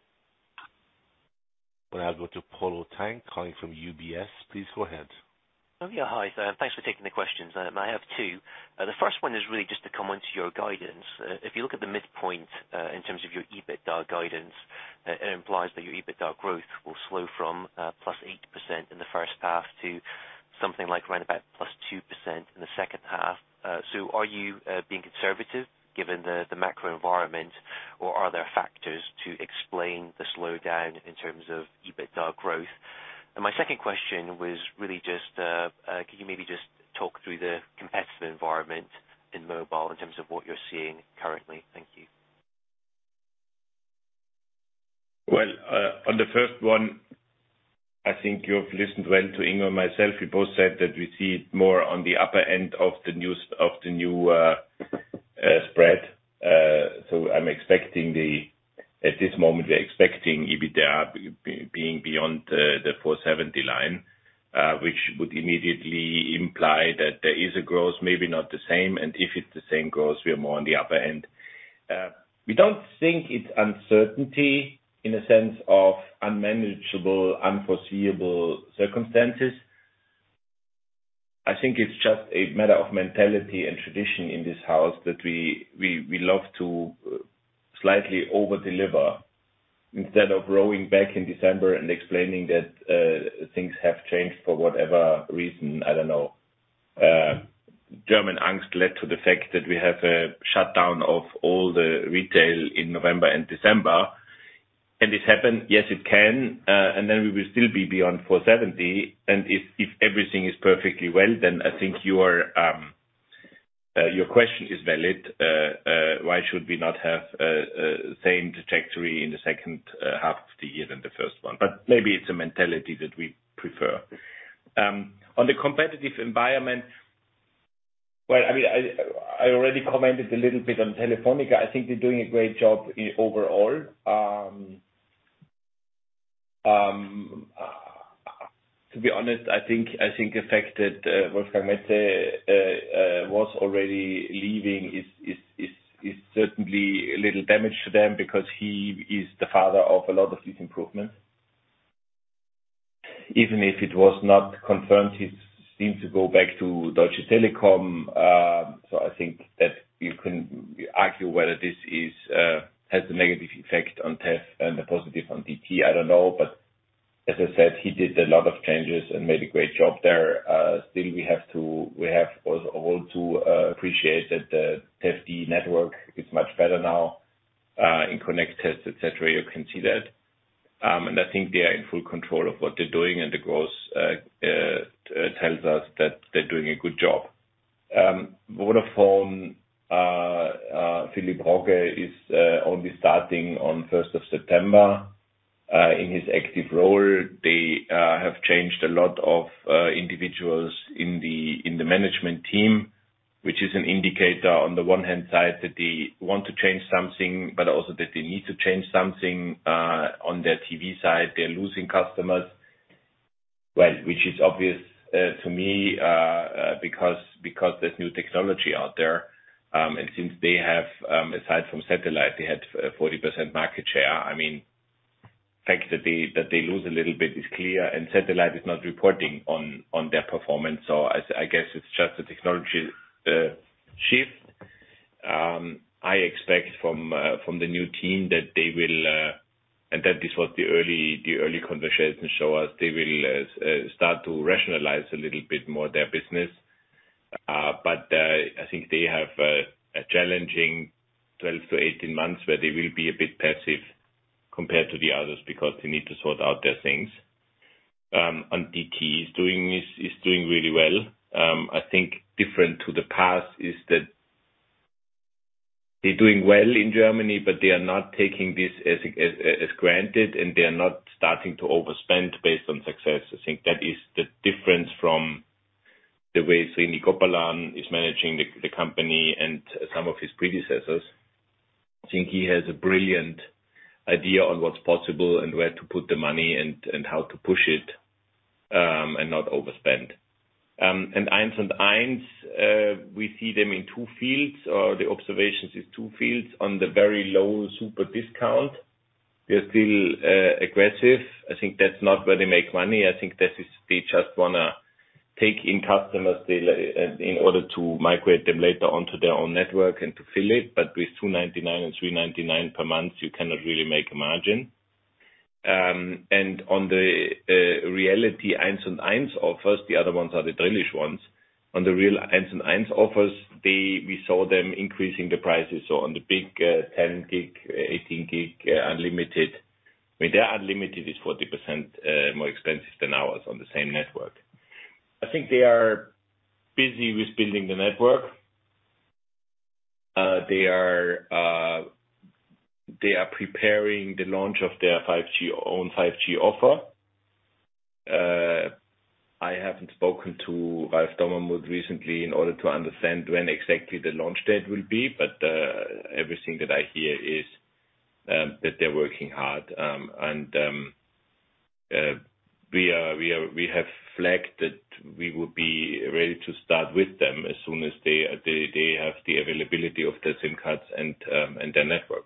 We'll now go to Polo Tang, calling from UBS. Please go ahead.
Yeah, hi. Thanks for taking the questions. I have two. The first one is really just to come on to your guidance. If you look at the midpoint in terms of your EBITDA guidance, it implies that your EBITDA growth will slow from +8% in the first half to something like around about +2% in the second half. So are you being conservative given the macro environment, or are there factors to explain the slowdown in terms of EBITDA growth? My second question was really just can you maybe just talk through the competitive environment in mobile in terms of what you're seeing currently? Thank you.
Well, on the first one, I think you've listened well to Ingo and myself. We both said that we see it more on the upper end of the new spread. At this moment, we're expecting EBITDA being beyond the 470 million line, which would immediately imply that there is a growth, maybe not the same. If it's the same growth, we are more on the upper end. We don't think it's uncertainty in the sense of unmanageable, unforeseeable circumstances. I think it's just a matter of mentality and tradition in this house that we love to slightly over-deliver instead of rowing back in December and explaining that things have changed for whatever reason. I don't know. German angst led to the fact that we have a shutdown of all the retail in November and December. This happened, yes, it can. Then we will still be beyond 470. If everything is perfectly well, then I think your question is valid. Why should we not have same trajectory in the second half of the year than the first one? Maybe it's a mentality that we prefer. On the competitive environment, well, I mean, I already commented a little bit on Telefónica. I think they're doing a great job overall. To be honest, I think the fact that Wolfgang Metze was already leaving is certainly a little damage to them because he is the father of a lot of these improvements. Even if it was not confirmed, he seemed to go back to Deutsche Telekom. I think that you can argue whether this has a negative effect on TEV and a positive on DT, I don't know. As I said, he did a lot of changes and made a great job there. Still we all have to appreciate that the TEV-D network is much better now, in Connect Test, et cetera, you can see that. I think they are in full control of what they're doing, and the growth tells us that they're doing a good job. Vodafone, Philippe Rogge is only starting on first of September in his active role. They have changed a lot of individuals in the management team, which is an indicator on the one hand side that they want to change something, but also that they need to change something on their TV side. They're losing customers. Which is obvious to me because there's new technology out there, and since they have, aside from satellite, they had 40% market share. I mean, the fact that they lose a little bit is clear, and satellite is not reporting on their performance. I guess it's just a technology shift. I expect from the new team that they will, and that the early conversations show us they will, start to rationalize a little bit more their business. But I think they have a challenging 12-18 months where they will be a bit passive compared to the others because they need to sort out their things. DT is doing this really well. I think different to the past is that they're doing well in Germany, but they are not taking this as granted, and they are not starting to overspend based on success. I think that is the difference from the way Srini Gopalan is managing the company and some of his predecessors. I think he has a brilliant idea on what's possible and where to put the money and how to push it, and not overspend. 1&1, we see them in two fields, or the observations is two fields. On the very low super discount, they're still aggressive. I think that's not where they make money. I think this is they just wanna take in customers in order to migrate them later onto their own network and to fill it. But with 2.99 and 3.99 per month, you cannot really make a margin. On the real 1&1 offers, the other ones are the Drillisch ones. On the real 1&1 offers, we saw them increasing the prices. On the big 10 gig, 18 gig, unlimited. I mean, their unlimited is 40% more expensive than ours on the same network. I think they are busy with building the network. They are preparing the launch of their own 5G offer. I haven't spoken to Ralph Dommermuth recently in order to understand when exactly the launch date will be, but everything that I hear is that they're working hard. We have flagged that we will be ready to start with them as soon as they have the availability of the SIM cards and their network.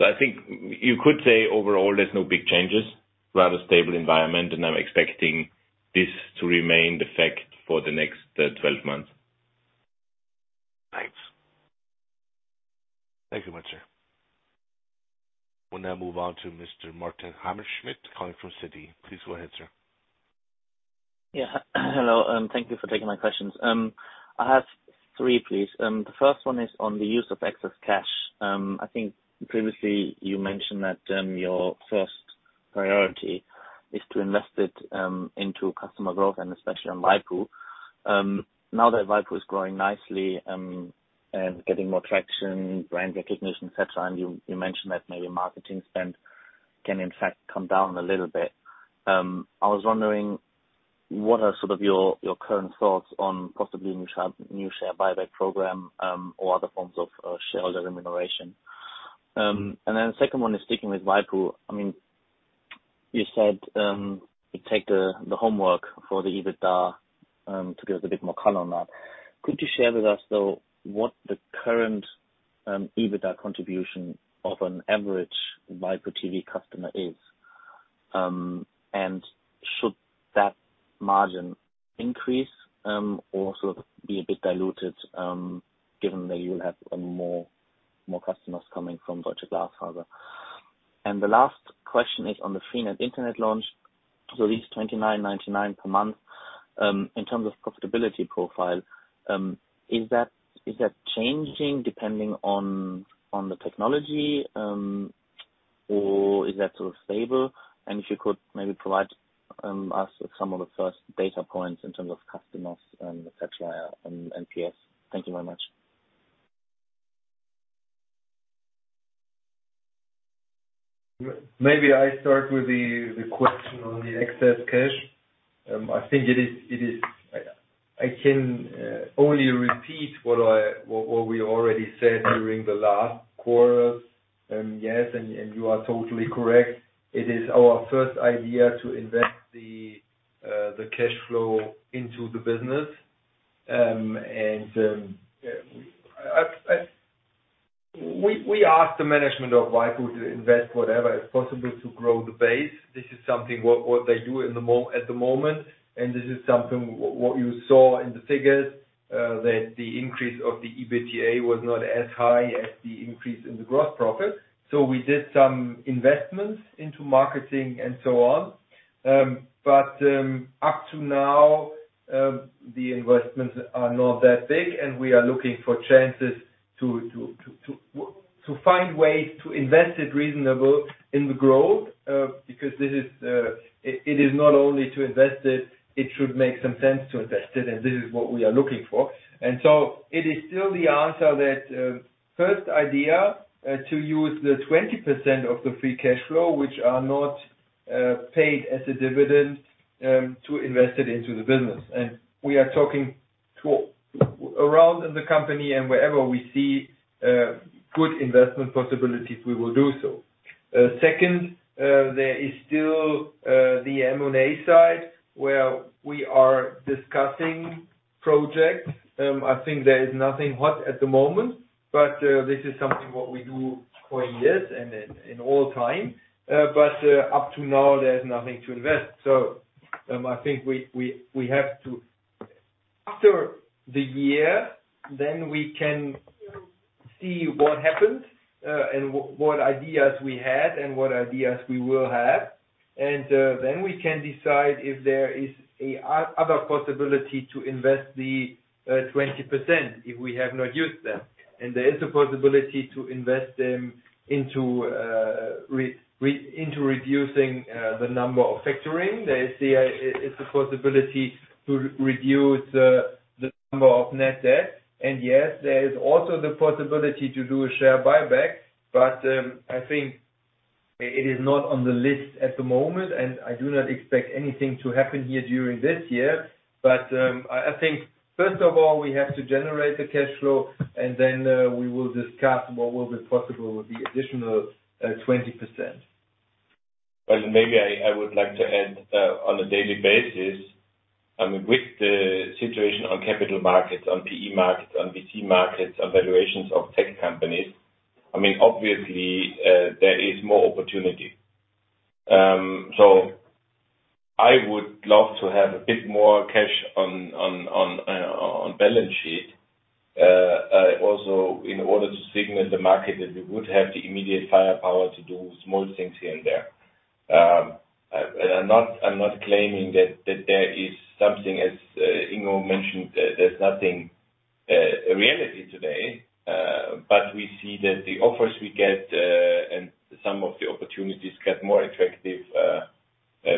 I think you could say overall, there's no big changes, rather stable environment, and I'm expecting this to remain the fact for the next 12 months.
Thanks.
Thank you much, sir. We'll now move on to Mr. Martin Hammerschmidt calling from Citi. Please go ahead, sir.
Hello, and thank you for taking my questions. I have three, please. The first one is on the use of excess cash. I think previously you mentioned that your first priority is to invest it into customer growth and especially on Waipu. Now that Waipu is growing nicely and getting more traction, brand recognition, et cetera, and you mentioned that maybe marketing spend can in fact come down a little bit. I was wondering, what are sort of your current thoughts on possibly new share buyback program or other forms of shareholder remuneration? The second one is sticking with Waipu. I mean, you said you take the homework for the EBITDA to give us a bit more color on that. Could you share with us, though, what the current EBITDA contribution of an average waipu.tv customer is? And should that margin increase or sort of be a bit diluted given that you'll have more customers coming from Deutsche Glasfaser? The last question is on the freenet Internet launch. This 29.99 per month in terms of profitability profile is that changing depending on the technology? Or is that sort of stable? If you could maybe provide us with some of the first data points in terms of customers et cetera, and PS. Thank you very much.
Maybe I start with the question on the excess cash. I think it is. I can only repeat what we already said during the last quarters. Yes, you are totally correct. It is our first idea to invest the cash flow into the business. We asked the management of waipu.tv to invest whatever is possible to grow the base. This is something what they do at the moment, and this is something what you saw in the figures, that the increase of the EBITDA was not as high as the increase in the gross profit. We did some investments into marketing and so on. Up to now, the investments are not that big, and we are looking for chances to find ways to invest it reasonable in the growth, because this is, it is not only to invest it should make some sense to invest it, and this is what we are looking for. It is still the answer that first idea to use the 20% of the free cash flow, which are not paid as a dividend, to invest it into the business. We are talking Around in the company and wherever we see good investment possibilities, we will do so. Second, there is still the M&A side where we are discussing projects. I think there is nothing hot at the moment, but this is something what we do for years and in all time. But up to now there's nothing to invest. I think we have to. After the year, then we can see what happens, and what ideas we had and what ideas we will have. Then we can decide if there is a other possibility to invest the 20% if we have not used them. There is a possibility to invest them into reducing the number of factoring. There is a possibility to reduce the number of net debt. Yes, there is also the possibility to do a share buyback, but I think it is not on the list at the moment, and I do not expect anything to happen here during this year. I think first of all, we have to generate the cash flow and then we will discuss what will be possible with the additional 20%.
Well, maybe I would like to add on a daily basis, I mean, with the situation on capital markets, on PE markets, on VC markets, on valuations of tech companies, I mean, obviously, there is more opportunity. I would love to have a bit more cash on balance sheet. Also in order to signal the market that we would have the immediate firepower to do small things here and there. I'm not claiming that there is something, as Ingo mentioned, there's nothing in reality today, but we see that the offers we get and some of the opportunities get more attractive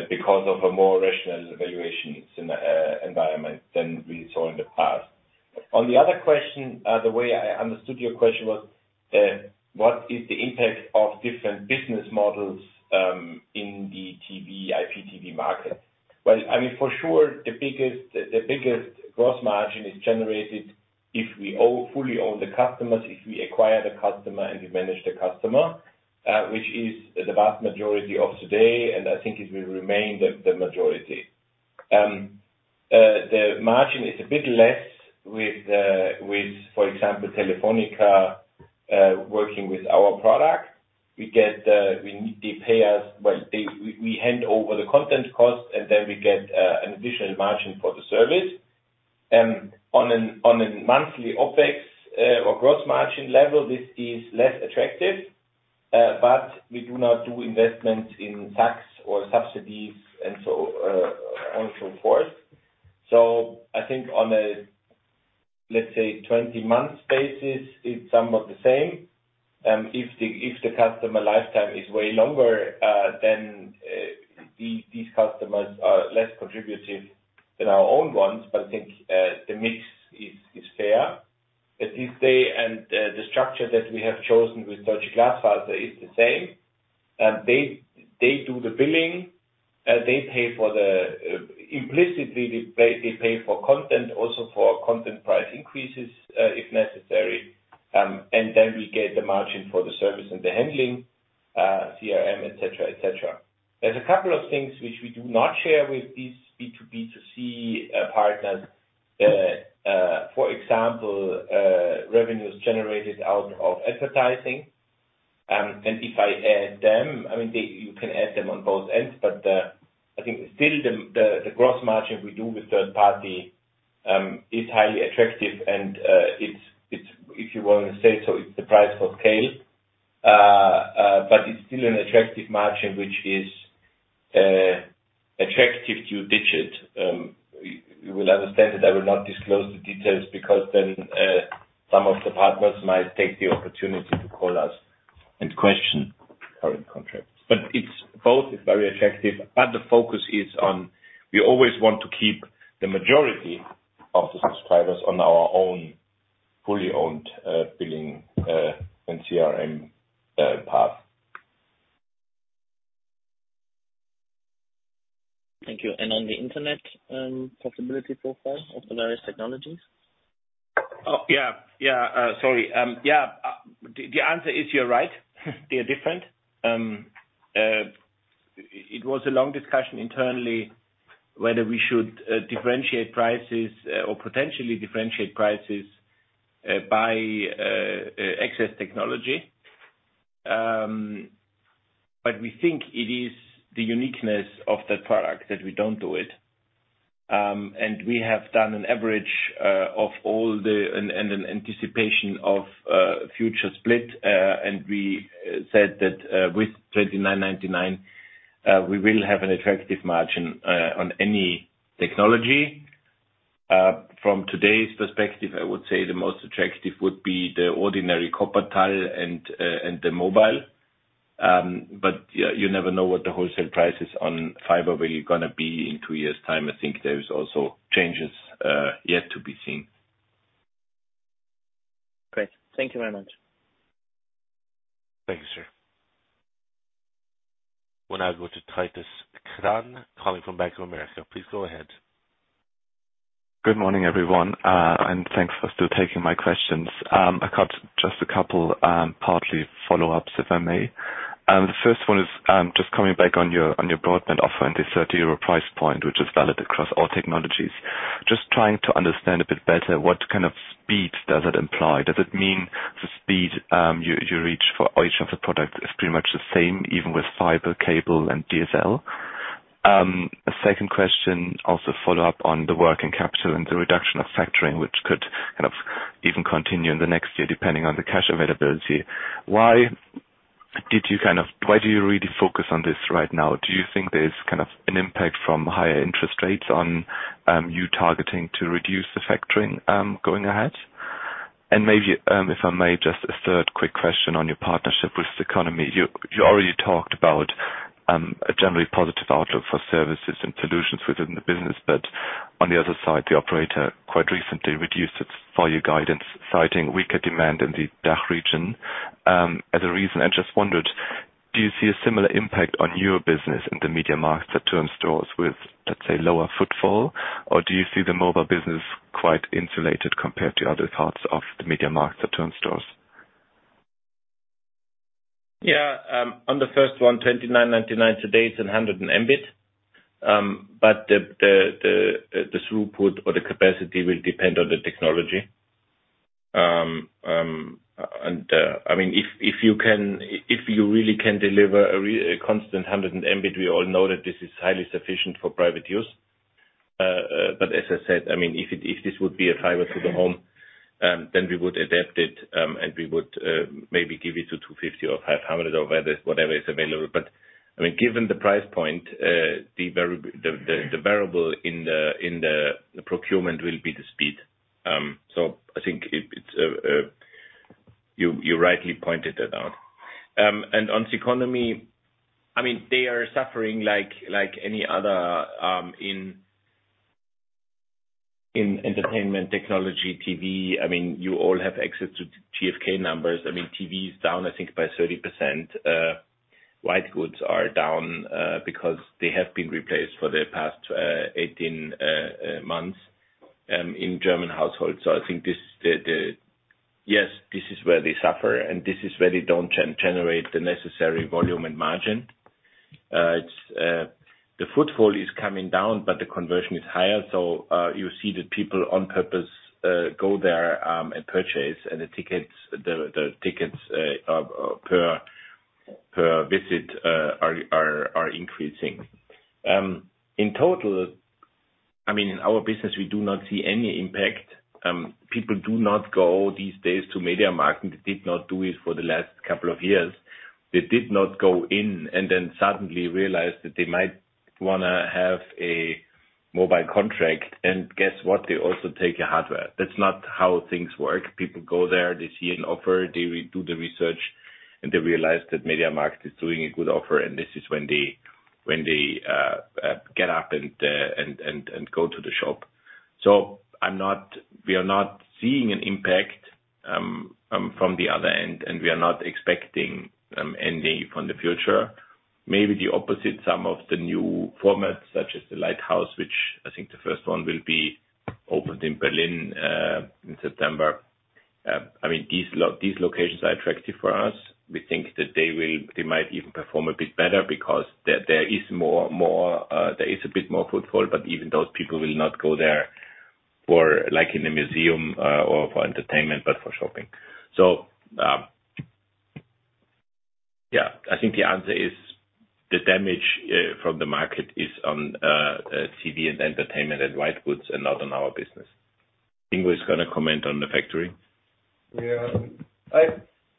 because of a more rational valuation environment than we saw in the past.
On the other question, the way I understood your question was, what is the impact of different business models, in the TV, IPTV market? Well, I mean, for sure the biggest gross margin is generated if we fully own the customers, if we acquire the customer and we manage the customer, which is the vast majority of today, and I think it will remain the majority. The margin is a bit less with, for example, Telefónica working with our product. We get, they pay us. Well, we hand over the content cost and then we get an additional margin for the service. On a monthly OpEx or gross margin level, this is less attractive, but we do not do investment in tax or subsidies and so forth. I think, let's say, on a 20-month basis, it's somewhat the same. If the customer lifetime is way longer, then these customers are less contributive than our own ones. I think the mix is fair. At this stage, the structure that we have chosen with Deutsche Glasfaser is the same. They do the billing. They pay for the infrastructure. They pay for content, also for content price increases, if necessary. Then we get the margin for the service and the handling, CRM, et cetera. There's a couple of things which we do not share with these B2B2C partners. For example, revenues generated out of advertising. If I add them, I mean, you can add them on both ends, but I think still the gross margin we do with third-party is highly attractive and it's. If you wanna say so, it's the price for scale. But it's still an attractive margin, which is attractive two-digit. You will understand that I will not disclose the details because then some of the partners might take the opportunity to call us and question current contracts.
It's both is very attractive and the focus is on we always want to keep the majority of the subscribers on our own, fully owned, billing, and CRM path.
Thank you. On the internet, possibility profile of the various technologies?
The answer is you're right. They're different. It was a long discussion internally whether we should differentiate prices or potentially differentiate prices by access technology. We think it is the uniqueness of that product that we don't do it. We have done an average of all the anticipation of future split. We said that with 29.99 we will have an attractive margin on any technology. From today's perspective, I would say the most attractive would be the ordinary copper tail and the mobile. You never know what the wholesale price is on fiber where you're gonna be in two years' time. I think there is also changes yet to be seen.
Great. Thank you very much.
Thank you.
We'll now go to Titus Krahn, calling from Bank of America. Please go ahead.
Good morning, everyone, and thanks for still taking my questions. I got just a couple, partly follow-ups, if I may. The first one is just coming back on your broadband offer and the 30 euro price point, which is valid across all technologies. Just trying to understand a bit better what kind of speed does it imply. Does it mean the speed you reach for each of the products is pretty much the same, even with fiber cable and DSL? A second question, also follow up on the working capital and the reduction of factoring, which could kind of even continue in the next year, depending on the cash availability. Why do you really focus on this right now? Do you think there's kind of an impact from higher interest rates on you targeting to reduce the factoring going ahead? Maybe, if I may, just a third quick question on your partnership with Ceconomy. You already talked about a generally positive outlook for services and solutions within the business, but on the other side, the operator quite recently reduced its five-year guidance, citing weaker demand in the DACH region as a reason. I just wondered, do you see a similar impact on your business in the MediaMarkt or Saturn stores with, let's say, lower footfall? Or do you see the mobile business quite insulated compared to other parts of the MediaMarkt or Saturn stores?
Yeah. On the first one, 29.99 today, it's 100 Mbit/s. The throughput or the capacity will depend on the technology. I mean, if you really can deliver a constant 100 Mbits, we all know that this is highly sufficient for private use. As I said, I mean, if this would be a fiber to the home, then we would adapt it, and we would maybe give it to 250 or 500 or whatever is available. I mean, given the price point, the variable in the procurement will be the speed. I think you rightly pointed that out. On Ceconomy, I mean, they are suffering like any other in entertainment, technology, TV. I mean, you all have access to GfK numbers. I mean, TV is down, I think, by 30%. White goods are down because they have been replaced for the past 18 months in German households. I think this is where they suffer, and this is where they don't generate the necessary volume and margin. The footfall is coming down, but the conversion is higher. You see the people on purpose go there and purchase and the tickets per visit are increasing. In total, I mean, in our business, we do not see any impact. People do not go these days to MediaMarkt. They did not do it for the last couple of years. They did not go in and then suddenly realize that they might wanna have a mobile contract. Guess what? They also take your hardware. That's not how things work. People go there, they see an offer, they do the research, and they realize that MediaMarkt is doing a good offer, and this is when they get up and go to the shop. We are not seeing an impact from the other end, and we are not expecting any from the future. Maybe the opposite, some of the new formats, such as the Lighthouse, which I think the first one will be opened in Berlin in September. I mean, these locations are attractive for us. We think that they will. They might even perform a bit better because there is more footfall, but even those people will not go there for like in a museum or for entertainment, but for shopping. Yeah. I think the answer is the damage from the market is on TV and entertainment and white goods and not on our business. Ingo is gonna comment on the factory.
Yeah.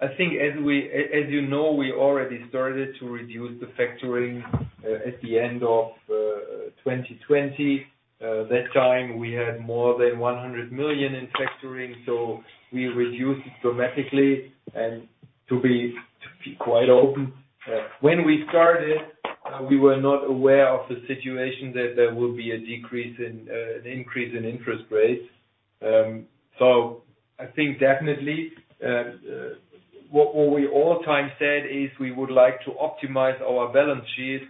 I think as you know, we already started to reduce the factoring at the end of 2020. That time we had more than 100 million in factoring, so we reduced it dramatically. To be quite open, when we started, we were not aware of the situation that there would be an increase in interest rates. So I think definitely, what we always said is we would like to optimize our balance sheet.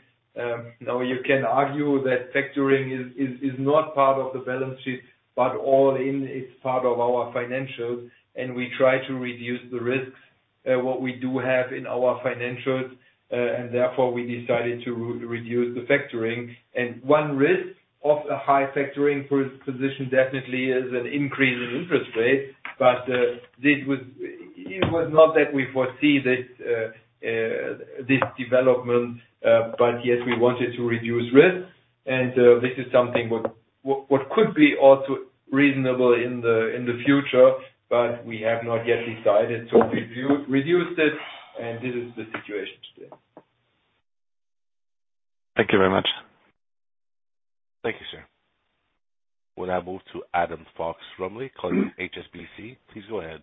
Now you can argue that factoring is not part of the balance sheet, but all in all, it's part of our financials, and we try to reduce the risks that we do have in our financials. Therefore, we decided to reduce the factoring. One risk of a high factoring position definitely is an increase in interest rates. It was not that we foresee this development, but yes, we wanted to reduce risk. This is something what could be also reasonable in the future, but we have not yet decided to reduce this, and this is the situation today.
Thank you very much.
Thank you, sir. We'll now move to Adam Fox-Rumley calling from HSBC. Please go ahead.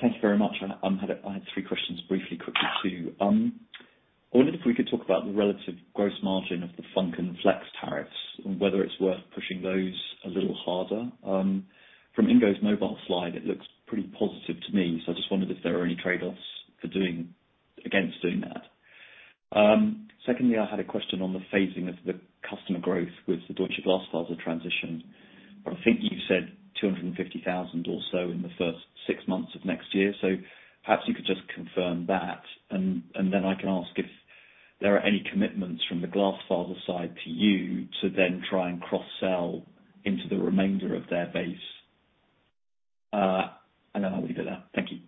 Thank you very much. I had three questions briefly, quickly to you. I wondered if we could talk about the relative gross margin of the FUNK and FLEX tariffs and whether it's worth pushing those a little harder. From Ingo's mobile slide, it looks pretty positive to me. I just wondered if there are any trade-offs for doing that. Secondly, I had a question on the phasing of the customer growth with the Deutsche Glasfaser transition. I think you said 250,000 or so in the first six months of next year. Perhaps you could just confirm that, and then I can ask if there are any commitments from the Glasfaser side to you to then try and cross-sell into the remainder of their base. I don't know how we do that. Thank you.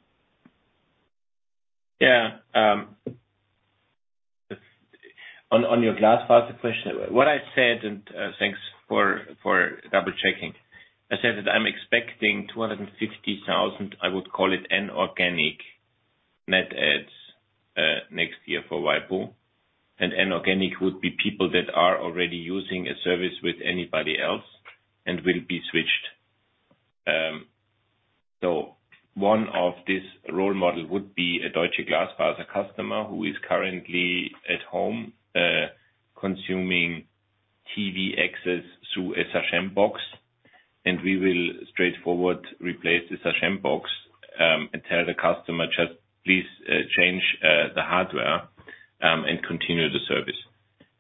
On your Deutsche Glasfaser question, what I said, thanks for double-checking. I said that I'm expecting 250,000, I would call it inorganic net adds, next year for waipu.tv. Inorganic would be people that are already using a service with anybody else and will be switched. One of this role model would be a Deutsche Glasfaser customer who is currently at home consuming TV access through a set-top box, and we will straightforward replace the set-top box and tell the customer, "Just please change the hardware and continue the service."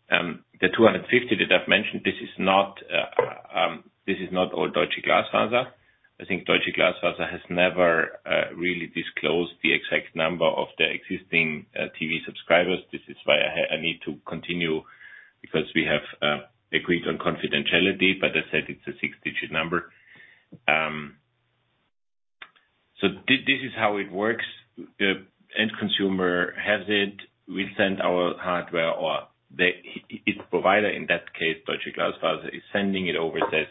The 250 that I've mentioned, this is not all Deutsche Glasfaser. I think Deutsche Glasfaser has never really disclosed the exact number of their existing TV subscribers. This is why I need to continue because we have agreed on confidentiality. I said it's a six-digit number. This is how it works. The end consumer has it. We send our hardware or his provider, in that case, Deutsche Glasfaser, is sending it over and says,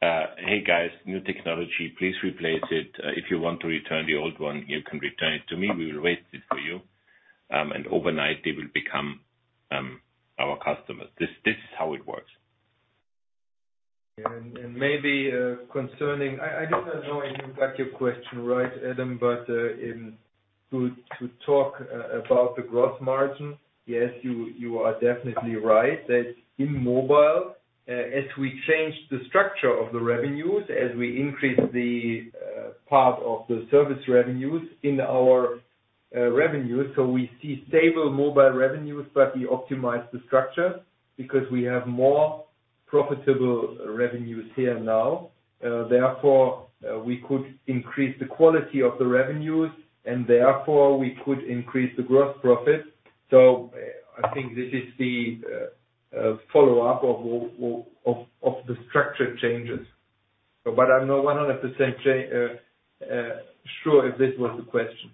"Hey guys, new technology, please replace it. If you want to return the old one, you can return it to me. We will take it for you." Overnight they will become our customers. This is how it works.
Maybe concerning I don't know if you got your question right, Adam, but to talk about the gross margin, yes, you are definitely right that in mobile as we change the structure of the revenues, as we increase the part of the service revenues in our revenue. We see stable mobile revenues, but we optimize the structure because we have more profitable revenues here now. Therefore we could increase the quality of the revenues, and therefore we could increase the gross profit. I think this is the follow-up of the structure changes. I'm not 100% sure if this was the question.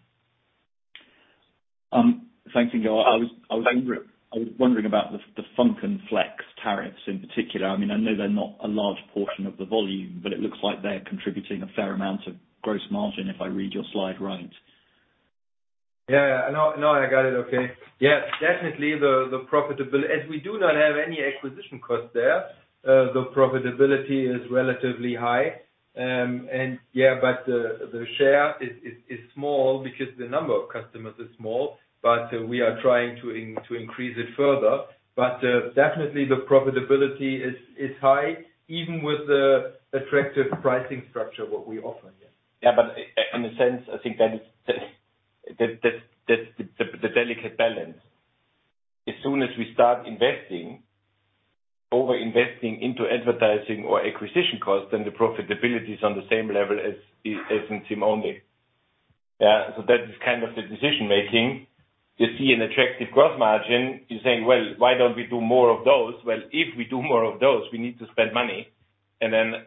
Thanks again. I was wondering about the FUNK and FLEX tariffs in particular. I mean, I know they're not a large portion of the volume, but it looks like they're contributing a fair amount of gross margin, if I read your slide right.
Yeah. No, no, I got it. Okay. Yeah, definitely the profitability. As we do not have any acquisition costs there, the profitability is relatively high. And yeah, but the share is small because the number of customers is small, but we are trying to increase it further. Definitely the profitability is high, even with the attractive pricing structure what we offer here.
Yeah. In a sense, I think that is the delicate balance. As soon as we start investing, over-investing into advertising or acquisition costs, then the profitability is on the same level as in SIM-only. That is kind of the decision-making. You see an attractive gross margin, you're saying, "Well, why don't we do more of those?" Well, if we do more of those, we need to spend money and then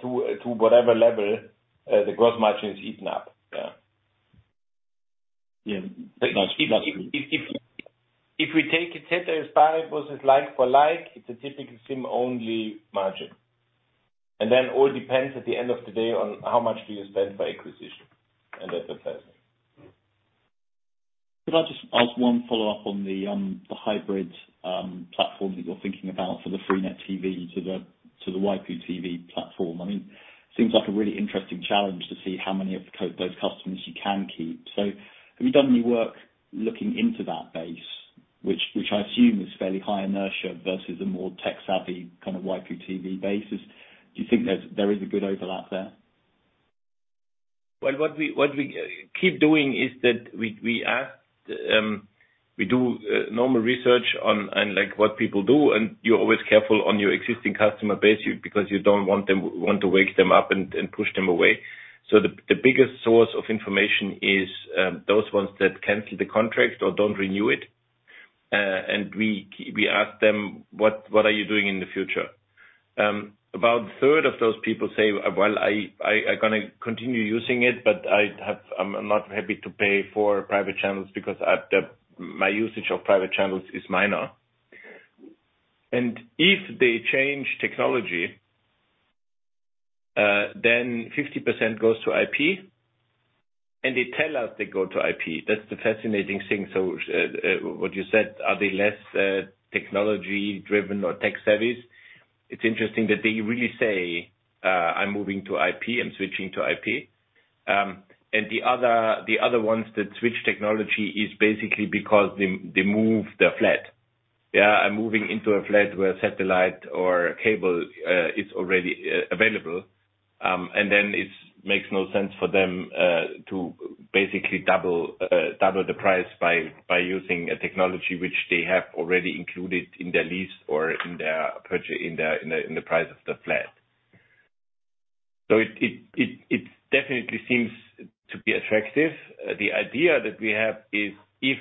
to whatever level the gross margin is eaten up. Yeah.
Yeah. That's.
If we take it
Could I just ask one follow-up on the hybrid platform that you're thinking about for the freenet TV to the waipu.tv platform? I mean, seems like a really interesting challenge to see how many of those customers you can keep. Have you done any work looking into that base, which I assume is fairly high inertia versus a more tech-savvy kind of waipu.tv base? Do you think there is a good overlap there?
Well, what we keep doing is that we ask, we do normal research on, like, what people do, and you're always careful on your existing customer base you, because you don't want to wake them up and push them away. The biggest source of information is those ones that cancel the contract or don't renew it. We ask them, "What are you doing in the future?" About a third of those people say, "Well, I gonna continue using it, but I'm not happy to pay for private channels because at my usage of private channels is minor." If they change technology, then 50% goes to IP, and they tell us they go to IP. That's the fascinating thing. What you said, are they less technology-driven or tech-savvy? It's interesting that they really say, "I'm moving to IP. I'm switching to IP." The other ones that switch technology is basically because they move their flat. Yeah, and moving into a flat where satellite or cable is already available. Then it makes no sense for them to basically double the price by using a technology which they have already included in their lease or in the price of the flat. It definitely seems to be attractive. The idea that we have is if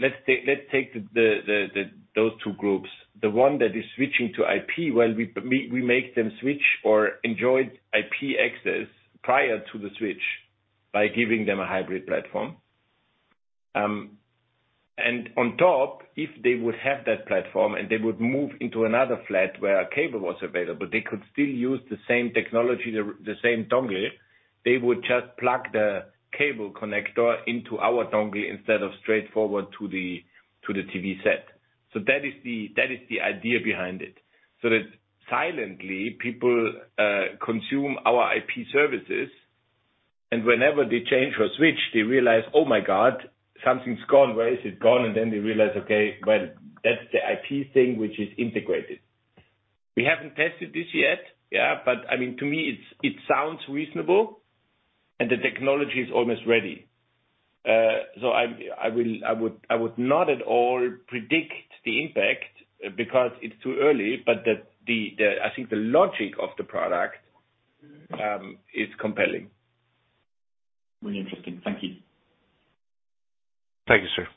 let's take the those two groups, the one that is switching to IP, well, we make them switch or enjoy IP access prior to the switch by giving them a hybrid platform. And on top, if they would have that platform and they would move into another flat where a cable was available, they could still use the same technology, the same dongle. They would just plug the cable connector into our dongle instead of straightforward to the TV set. That is the idea behind it, so that silently people consume our IP services, and whenever they change or switch, they realize, "Oh my God, something's gone. Where is it gone?" Then they realize, okay, well, that's the IP thing which is integrated. We haven't tested this yet, yeah, but, I mean, to me, it sounds reasonable, and the technology is almost ready. I would not at all predict the impact because it's too early, but I think the logic of the product is compelling.
Really interesting. Thank you.
Thank you, sir.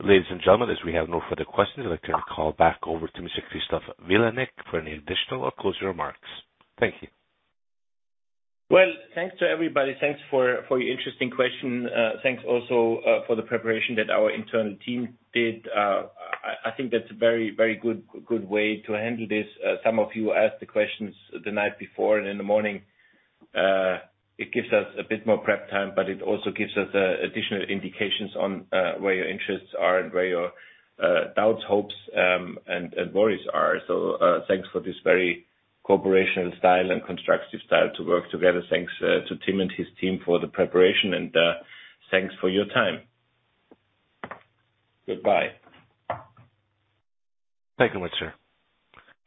Ladies and gentlemen, as we have no further questions, I'd like to call back over to Mr. Christoph Vilanek for any additional or closing remarks. Thank you.
Well, thanks to everybody. Thanks for your interesting question. Thanks also for the preparation that our internal team did. I think that's a very good way to handle this. Some of you asked the questions the night before and in the morning. It gives us a bit more prep time, but it also gives us additional indications on where your interests are and where your doubts, hopes, and worries are. Thanks for this very cooperative style and constructive style to work together. Thanks to Tim and his team for the preparation and thanks for your time. Goodbye.
Thank you much, sir.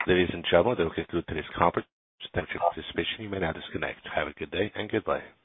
Ladies and gentlemen, that will conclude today's conference. Thank you for participation. You may now disconnect. Have a good day and goodbye.